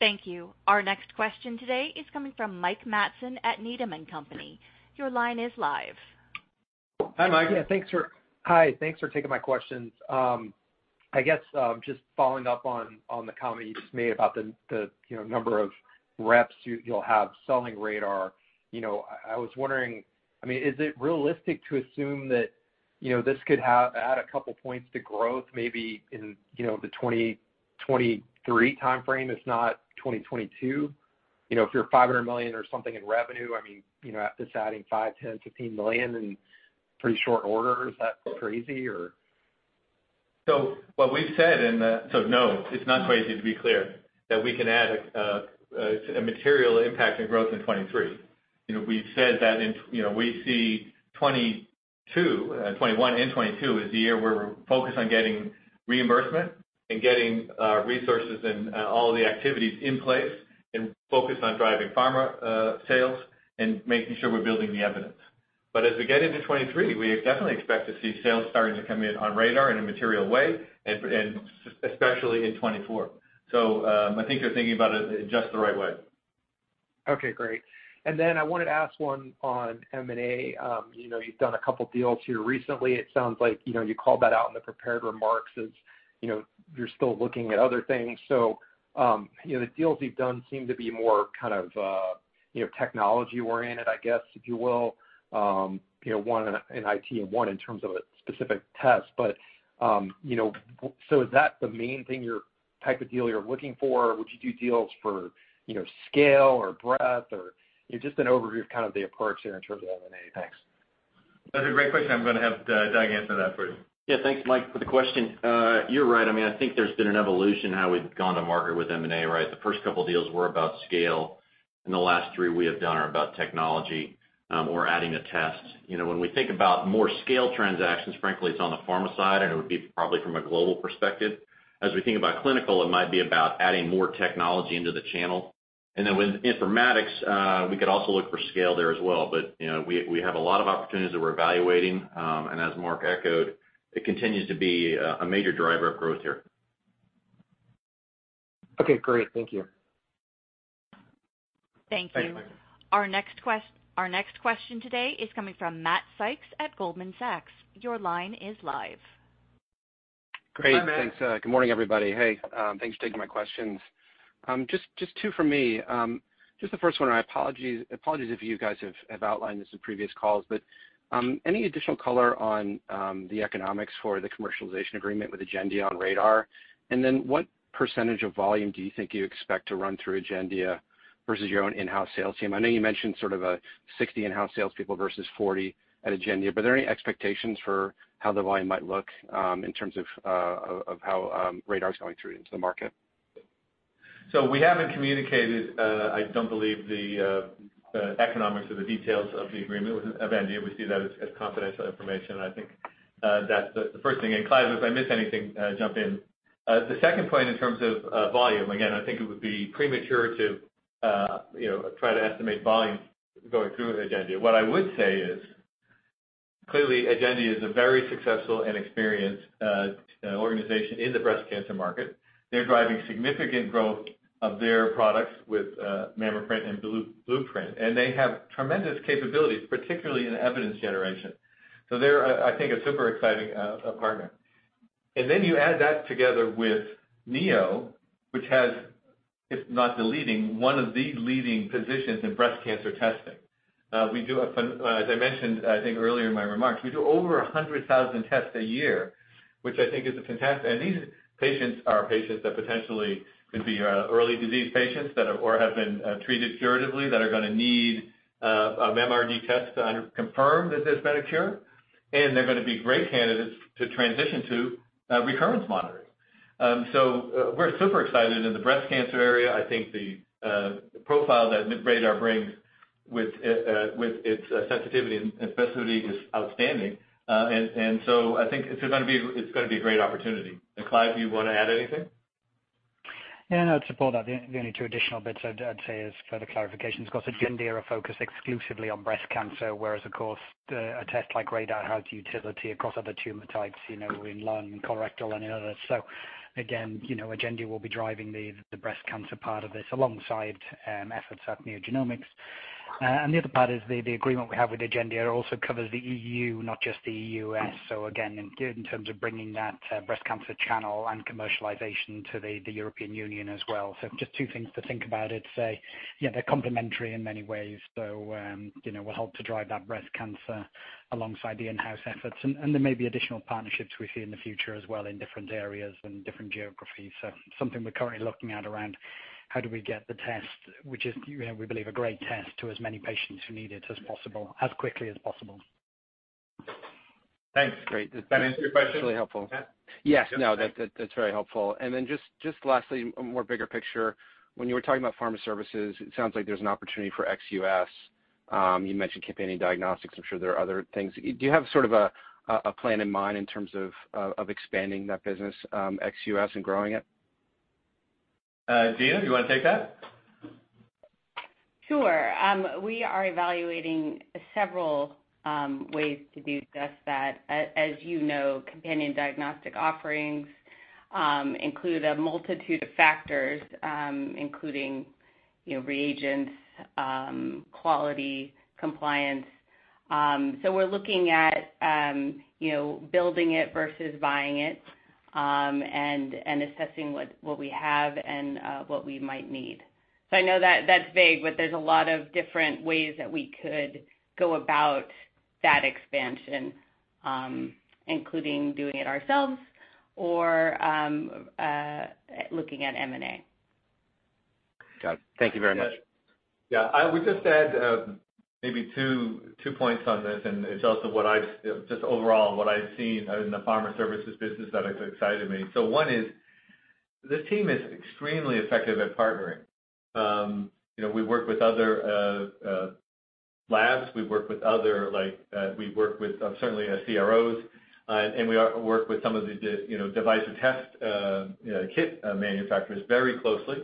Speaker 1: Thank you. Our next question today is coming from Mike Matson at Needham & Company. Your line is live.
Speaker 2: Hi, Mike.
Speaker 14: Hi. Thanks for taking my questions. I guess just following up on the comment you just made about the number of reps you'll have selling RaDaR. I was wondering, is it realistic to assume that this could add a couple points to growth, maybe in the 2023 timeframe, if not 2022? If you're $500 million or something in revenue, I mean, just adding $5 million, $10 million, $15 million in pretty short order, is that crazy, or?
Speaker 2: No, it's not crazy to be clear, that we can add a material impact on growth in 2023. We've said that we see 2021 and 2022 as the year where we're focused on getting reimbursement and getting resources and all of the activities in place and focused on driving pharma sales and making sure, we're building the evidence. As we get into 2023, we definitely expect to see sales starting to come in on RaDaR in a material way, and especially in 2024. I think you're thinking about it in just the right way.
Speaker 14: Okay, great. I wanted to ask one on M&A. You've done a couple deals here recently. It sounds like you called that out in the prepared remarks as you're still looking at other things. The deals you've done seem to be more technology oriented, I guess, if you will, one in IT and one in terms of a specific test. Is that the main thing, type of deal you're looking for? Would you do deals for scale or breadth? Or just an overview of the approach here in terms of M&A. Thanks.
Speaker 2: That's a great question. I'm going to have Doug answer that for you.
Speaker 3: Yeah. Thanks, Mike, for the question. You're right. I think there's been an evolution how we've gone to market with M&A, right? The first couple deals were about scale, and the last three we have done are about technology or adding a test. When we think about more scale transactions, frankly, it's on the pharma side, and it would be probably from a global perspective. As we think about clinical, it might be about adding more technology into the channel. With informatics, we could also look for scale there as well. We have a lot of opportunities that we're evaluating. As Mark echoed, it continues to be a major driver of growth here.
Speaker 14: Okay, great. Thank you.
Speaker 1: Thank you.
Speaker 2: Thanks.
Speaker 1: Our next question today is coming from Matt Sykes at Goldman Sachs. Your line is live.
Speaker 2: Hi, Matt.
Speaker 15: Great. Thanks. Good morning, everybody. Hey, thanks for taking my questions. Just two from me. Just the first one, apologies if you guys have outlined this in previous calls, but any additional color on the economics for the commercialization agreement with Agendia on RaDaR? What % of volume do you think you expect to run through Agendia versus your own in-house sales team? I know you mentioned sort of a 60 in-house salespeople versus 40 at Agendia, are there any expectations for how the volume might look in terms of how RaDaR's going through into the market?
Speaker 2: We haven't communicated, I don't believe, the economics or the details of the agreement with Agendia. We see that as confidential information. I think that's the first thing. Clive, if I miss anything, jump in. The second point in terms of volume, again, I think it would be premature to try to estimate volume going through Agendia. What I would say is, clearly Agendia is a very successful and experienced organization in the breast cancer market. They're driving significant growth of their products with MammaPrint and BluePrint, and they have tremendous capabilities, particularly in evidence generation. They're, I think, a super exciting partner. You add that together with Neo, which has, if not the leading, one of the leading positions in breast cancer testing. As I mentioned, I think earlier in my remarks, we do over 100,000 tests a year, which I think is fantastic. These patients are patients that potentially could be early disease patients or have been treated curatively that are going to need an MRD test to confirm that there's been a cure. They're going to be great candidates to transition to recurrence monitoring. We're super excited in the breast cancer area. I think the profile that RaDaR brings with its sensitivity and specificity is outstanding. I think it's going to be a great opportunity. Clive, you want to add anything?
Speaker 10: Yeah, no. To pull out the only two additional bits I'd say as further clarification, of course, Agendia are focused exclusively on breast cancer, whereas, of course, a test like RaDaR has utility across other tumor types, in lung, colorectal, and others. Again, Agendia will be driving the breast cancer part of this alongside efforts at NeoGenomics. The other part is the agreement we have with Agendia also covers the EU, not just the U.S. Again, in terms of bringing that breast cancer channel and commercialization to the European Union as well. Just two things to think about. I'd say they're complementary in many ways, so will help to drive that breast cancer alongside the in-house efforts. There may be additional partnerships we see in the future as well in different areas and different geographies. Something we're currently looking at around how do we get the test, which is we believe a great test, to as many patients who need it as possible, as quickly as possible.
Speaker 2: Thanks.
Speaker 15: Great.
Speaker 2: Does that answer your question?
Speaker 15: That's really helpful.
Speaker 2: Yeah.
Speaker 15: Yes. No, that's very helpful. Just lastly, a more bigger picture. When you were talking about Pharma Services, it sounds like there's an opportunity for ex U.S. You mentioned companion diagnostics. I'm sure there are other things. Do you have sort of a plan in mind in terms of expanding that business ex U.S. and growing it?
Speaker 2: Gina, do you want to take that?
Speaker 8: Sure. We are evaluating several ways to do just that. As you know, companion diagnostic offerings include a multitude of factors, including reagents, quality, compliance. We're looking at building it versus buying it, and assessing what we have and what we might need. I know that's vague, but there's a lot of different ways that we could go about that expansion, including doing it ourselves or looking at M&A.
Speaker 15: Got it. Thank you very much.
Speaker 2: Yeah. I would just add maybe two points on this, it's also just overall what I've seen in the Pharma Services business that has excited me. One is the team is extremely effective at partnering. We work with other labs, we work with certainly CROs, we work with some of the device test kit manufacturers very closely.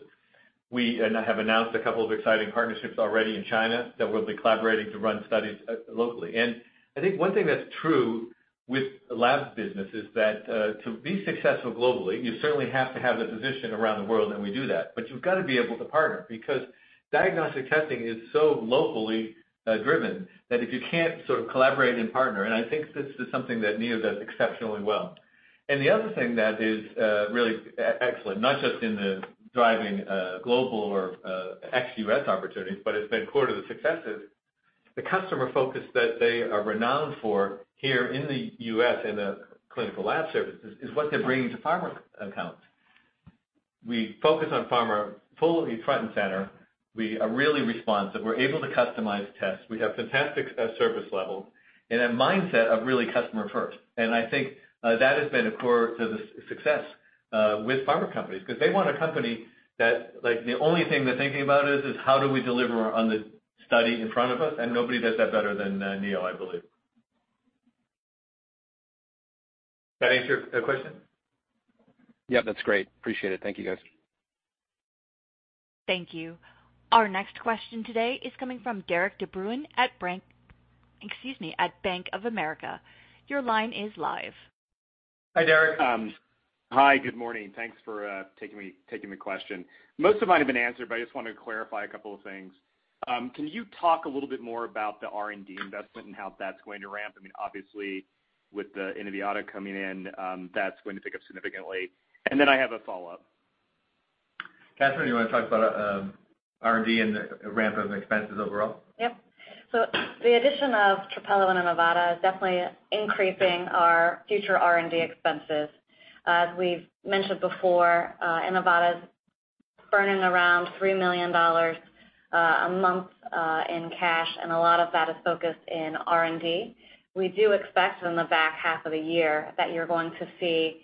Speaker 2: We have announced a couple of exciting partnerships already in China that we'll be collaborating to run studies locally. I think one thing that's true with the labs business is that, to be successful globally, you certainly have to have a position around the world, and we do that, but you've got to be able to partner, because diagnostic testing is so locally driven that if you can't sort of collaborate and partner, I think this is something that Neo does exceptionally well. The other thing that is really excellent, not just in the driving global or ex-U.S. opportunities, but it's been core to the successes, the customer focus that they are renowned for here in the U.S. in the clinical lab services is what they're bringing to Pharma accounts. We focus on Pharma fully front and center. We are really responsive. We're able to customize tests. We have fantastic service levels and a mindset of really customer first, and I think that has been a core to the success with pharma companies, because they want a company that the only thing they're thinking about is, how do we deliver on the study in front of us? Nobody does that better than Neo, I believe. That answer your question?
Speaker 15: Yeah, that's great. Appreciate it. Thank you, guys.
Speaker 1: Thank you. Our next question today is coming from Derik De Bruin at Bank of America. Your line is live.
Speaker 2: Hi, Derik.
Speaker 16: Hi. Good morning. Thanks for taking the question. Most of mine have been answered. I just wanted to clarify a couple of things. Can you talk a little bit more about the R&D investment and how that's going to ramp? I mean, obviously with the Inivata coming in, that's going to pick up significantly. I have a follow-up.
Speaker 2: Kathryn, you want to talk about R&D and the ramp of expenses overall?
Speaker 4: Yep. The addition of Trapelo and Inivata is definitely increasing our future R&D expenses. As we've mentioned before, Inivata's burning around $3 million a month in cash, and a lot of that is focused in R&D. We do expect in the back half of the year that you're going to see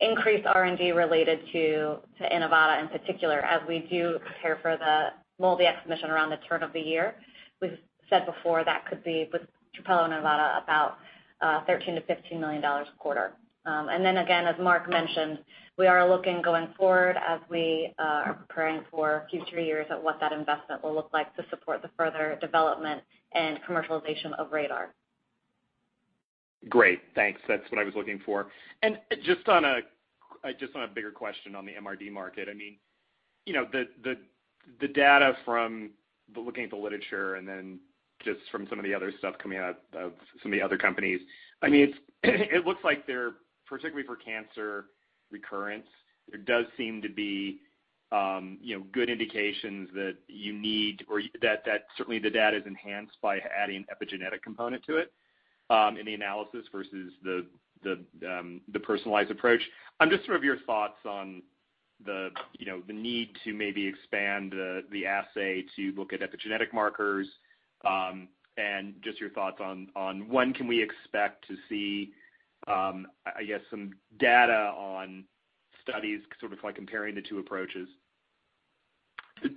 Speaker 4: increased R&D related to Inivata in particular, as we do prepare for the MolDX submission around the turn of the year. We've said before, that could be with Trapelo and Inivata about $13 million-$15 million a quarter. Again, as Mark mentioned, we are looking going forward as we are preparing for future years at what that investment will look like to support the further development and commercialization of RaDaR.
Speaker 16: Great. Thanks. That's what I was looking for. Just on a bigger question on the MRD market. The data from looking at the literature and then just from some of the other stuff coming out of some of the other companies, it looks like they're, particularly for cancer recurrence, there does seem to be good indications that certainly the data is enhanced by adding epigenetic component to it in the analysis versus the personalized approach. Just sort of your thoughts on the need to maybe expand the assay to look at epigenetic markers and just your thoughts on when can we expect to see, I guess some data on studies sort of like comparing the two approaches,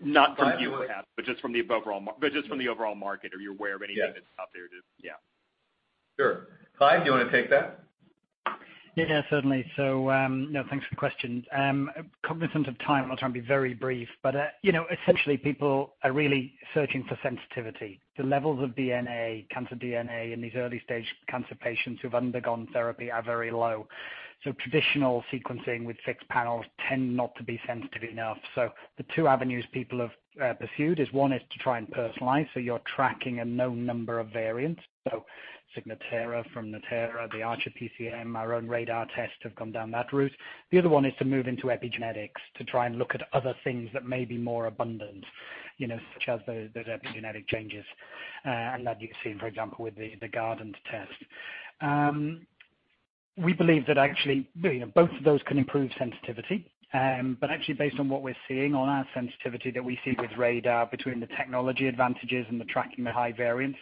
Speaker 16: not from you perhaps, but just from the overall market. Are you aware of anything that's out there? Yeah.
Speaker 2: Sure. Clive, do you want to take that?
Speaker 10: Yeah, certainly. Thanks for the question. Cognizant of time, I'll try and be very brief, but essentially people are really searching for sensitivity. The levels of DNA, cancer DNA, in these early-stage cancer patients who've undergone therapy are very low. Traditional sequencing with fixed panels tend not to be sensitive enough. The two avenues' people have pursued is one is to try and personalize, so you're tracking a known number of variants. Signatera from Natera, the ArcherDX PCM, our own RaDaR tests have gone down that route. The other one is to move into epigenetics to try and look at other things that may be more abundant, such as those epigenetic changes, and that you can see, for example, with the Guardant test. We believe that actually both of those can improve sensitivity. Actually, based on what we're seeing on our sensitivity that we see with RaDaR between the technology advantages and the tracking the high variants,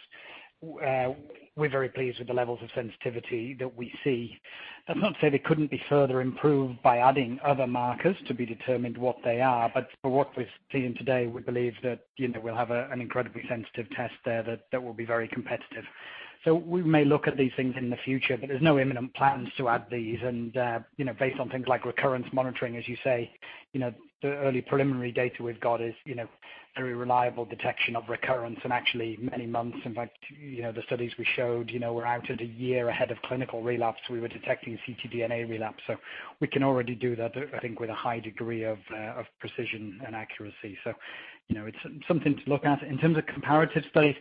Speaker 10: we're very pleased with the levels of sensitivity that we see. That's not to say they couldn't be further improved by adding other markers to be determined what they are, but for what we're seeing today, we believe that we'll have an incredibly sensitive test there that will be very competitive. We may look at these things in the future, but there's no imminent plans to add these. Based on things like recurrence monitoring, as you say, the early preliminary data we've got is very reliable detection of recurrence and actually many months. In fact, the studies we showed were out at one year ahead of clinical relapse. We were detecting ctDNA relapse. We can already do that, I think, with a high degree of precision and accuracy. It's something to look at. In terms of comparative studies,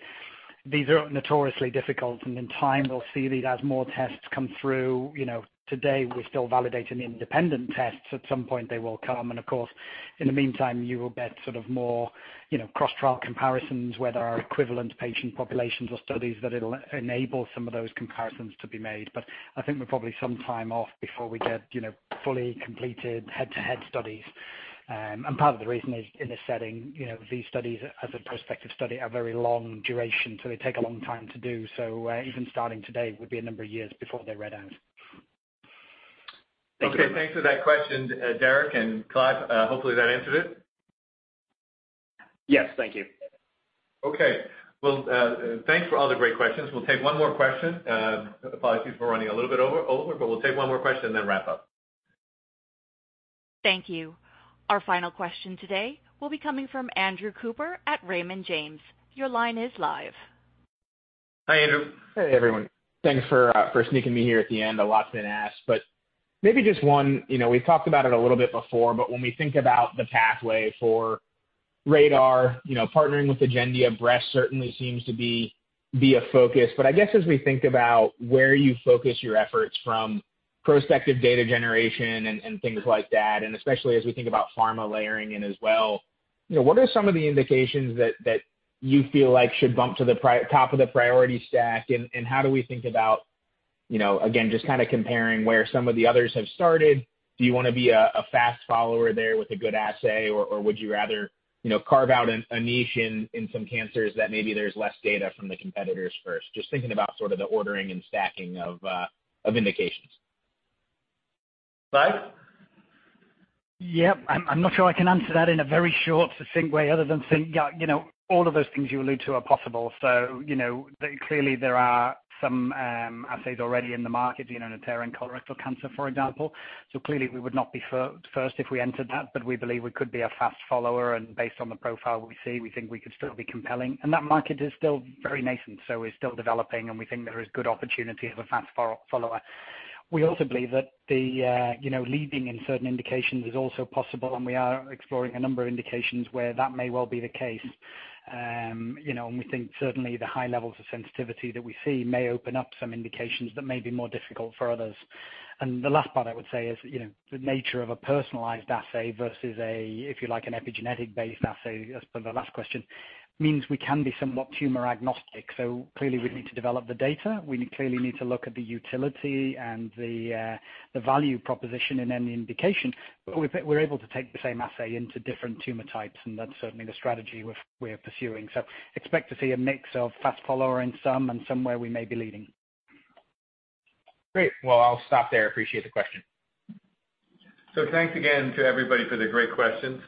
Speaker 10: these are notoriously difficult, and in time, we'll see these as more tests come through. Today we're still validating independent tests. At some point they will come, and of course, in the meantime, you will get more cross-trial comparisons where there are equivalent patient populations or studies that it'll enable some of those comparisons to be made. I think we're probably some time off before we get fully completed head-to-head studies. Part of the reason is in this setting, these studies as a prospective study are very long duration, so they take a long time to do so. Even starting today would be a number of years before they're read out.
Speaker 2: Okay. Thanks for that question, Derik and Clive. Hopefully, that answered it.
Speaker 16: Yes. Thank you.
Speaker 2: Okay. Well, thanks for all the great questions. We'll take one more question. Apologies, we're running a little bit over. We'll take one more question then wrap up.
Speaker 1: Thank you. Our final question today will be coming from Andrew Cooper at Raymond James. Your line is live.
Speaker 2: Hi, Andrew.
Speaker 17: Hey, everyone. Thanks for sneaking me here at the end. A lot's been asked, but maybe just one. We've talked about it a little bit before, but when we think about the pathway for RaDaR, partnering with Agendia certainly seems to be a focus. I guess as we think about where you focus your efforts from prospective data generation and things like that, and especially as we think about pharma layering in as well, what are some of the indications that you feel like should bump to the top of the priority stack? How do we think about, again, just comparing where some of the others have started, do you want to be a fast follower there with a good assay or would you rather carve out a niche in some cancers that maybe there's less data from the competitors first? Just thinking about the ordering and stacking of indications.
Speaker 2: Clive?
Speaker 10: Yeah. I'm not sure I can answer that in a very short, succinct way other than saying all of those things you allude to are possible. Clearly there are some assays already in the market, in uterine and colorectal cancer, for example. Clearly, we would not be first if we entered that, but we believe we could be a fast follower, and based on the profile we see, we think we could still be compelling. That market is still very nascent, so it's still developing, and we think there is good opportunity of a fast follower. We also believe that leading in certain indications is also possible, and we are exploring a number of indications where that may well be the case. We think certainly the high levels of sensitivity that we see may open up some indications that may be more difficult for others. The last part I would say is the nature of a personalized assay versus a, if you like, an epigenetic-based assay, as per the last question, means we can be somewhat tumor agnostic. Clearly, we need to develop the data. We clearly need to look at the utility and the value proposition in any indication. We're able to take the same assay into different tumor types, and that's certainly the strategy we're pursuing. Expect to see a mix of fast follower in some and somewhere we may be leading.
Speaker 17: Great. Well, I'll stop there. Appreciate the question.
Speaker 2: Thanks again to everybody for the great questions.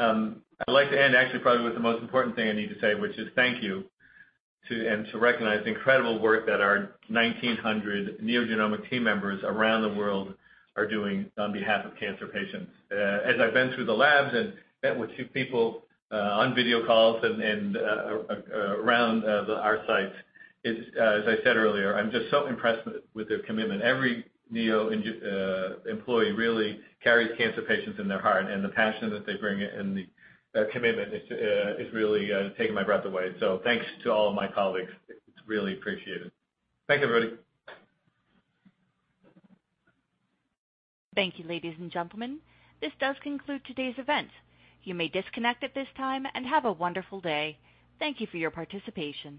Speaker 2: I'd like to end actually, probably with the most important thing I need to say, which is thank you, and to recognize the incredible work that our 1,900 NeoGenomics team members around the world are doing on behalf of cancer patients. As I've been through the labs and met with people on video calls and around our sites, as I said earlier, I'm just so impressed with their commitment. Every Neo employee really carries cancer patients in their heart, and the passion that they bring it and the commitment is really taking my breath away. Thanks to all of my colleagues. It's really appreciated. Thank you, everybody.
Speaker 1: Thank you, ladies and gentlemen. This does conclude today's event. You may disconnect at this time, and have a wonderful day. Thank you for your participation.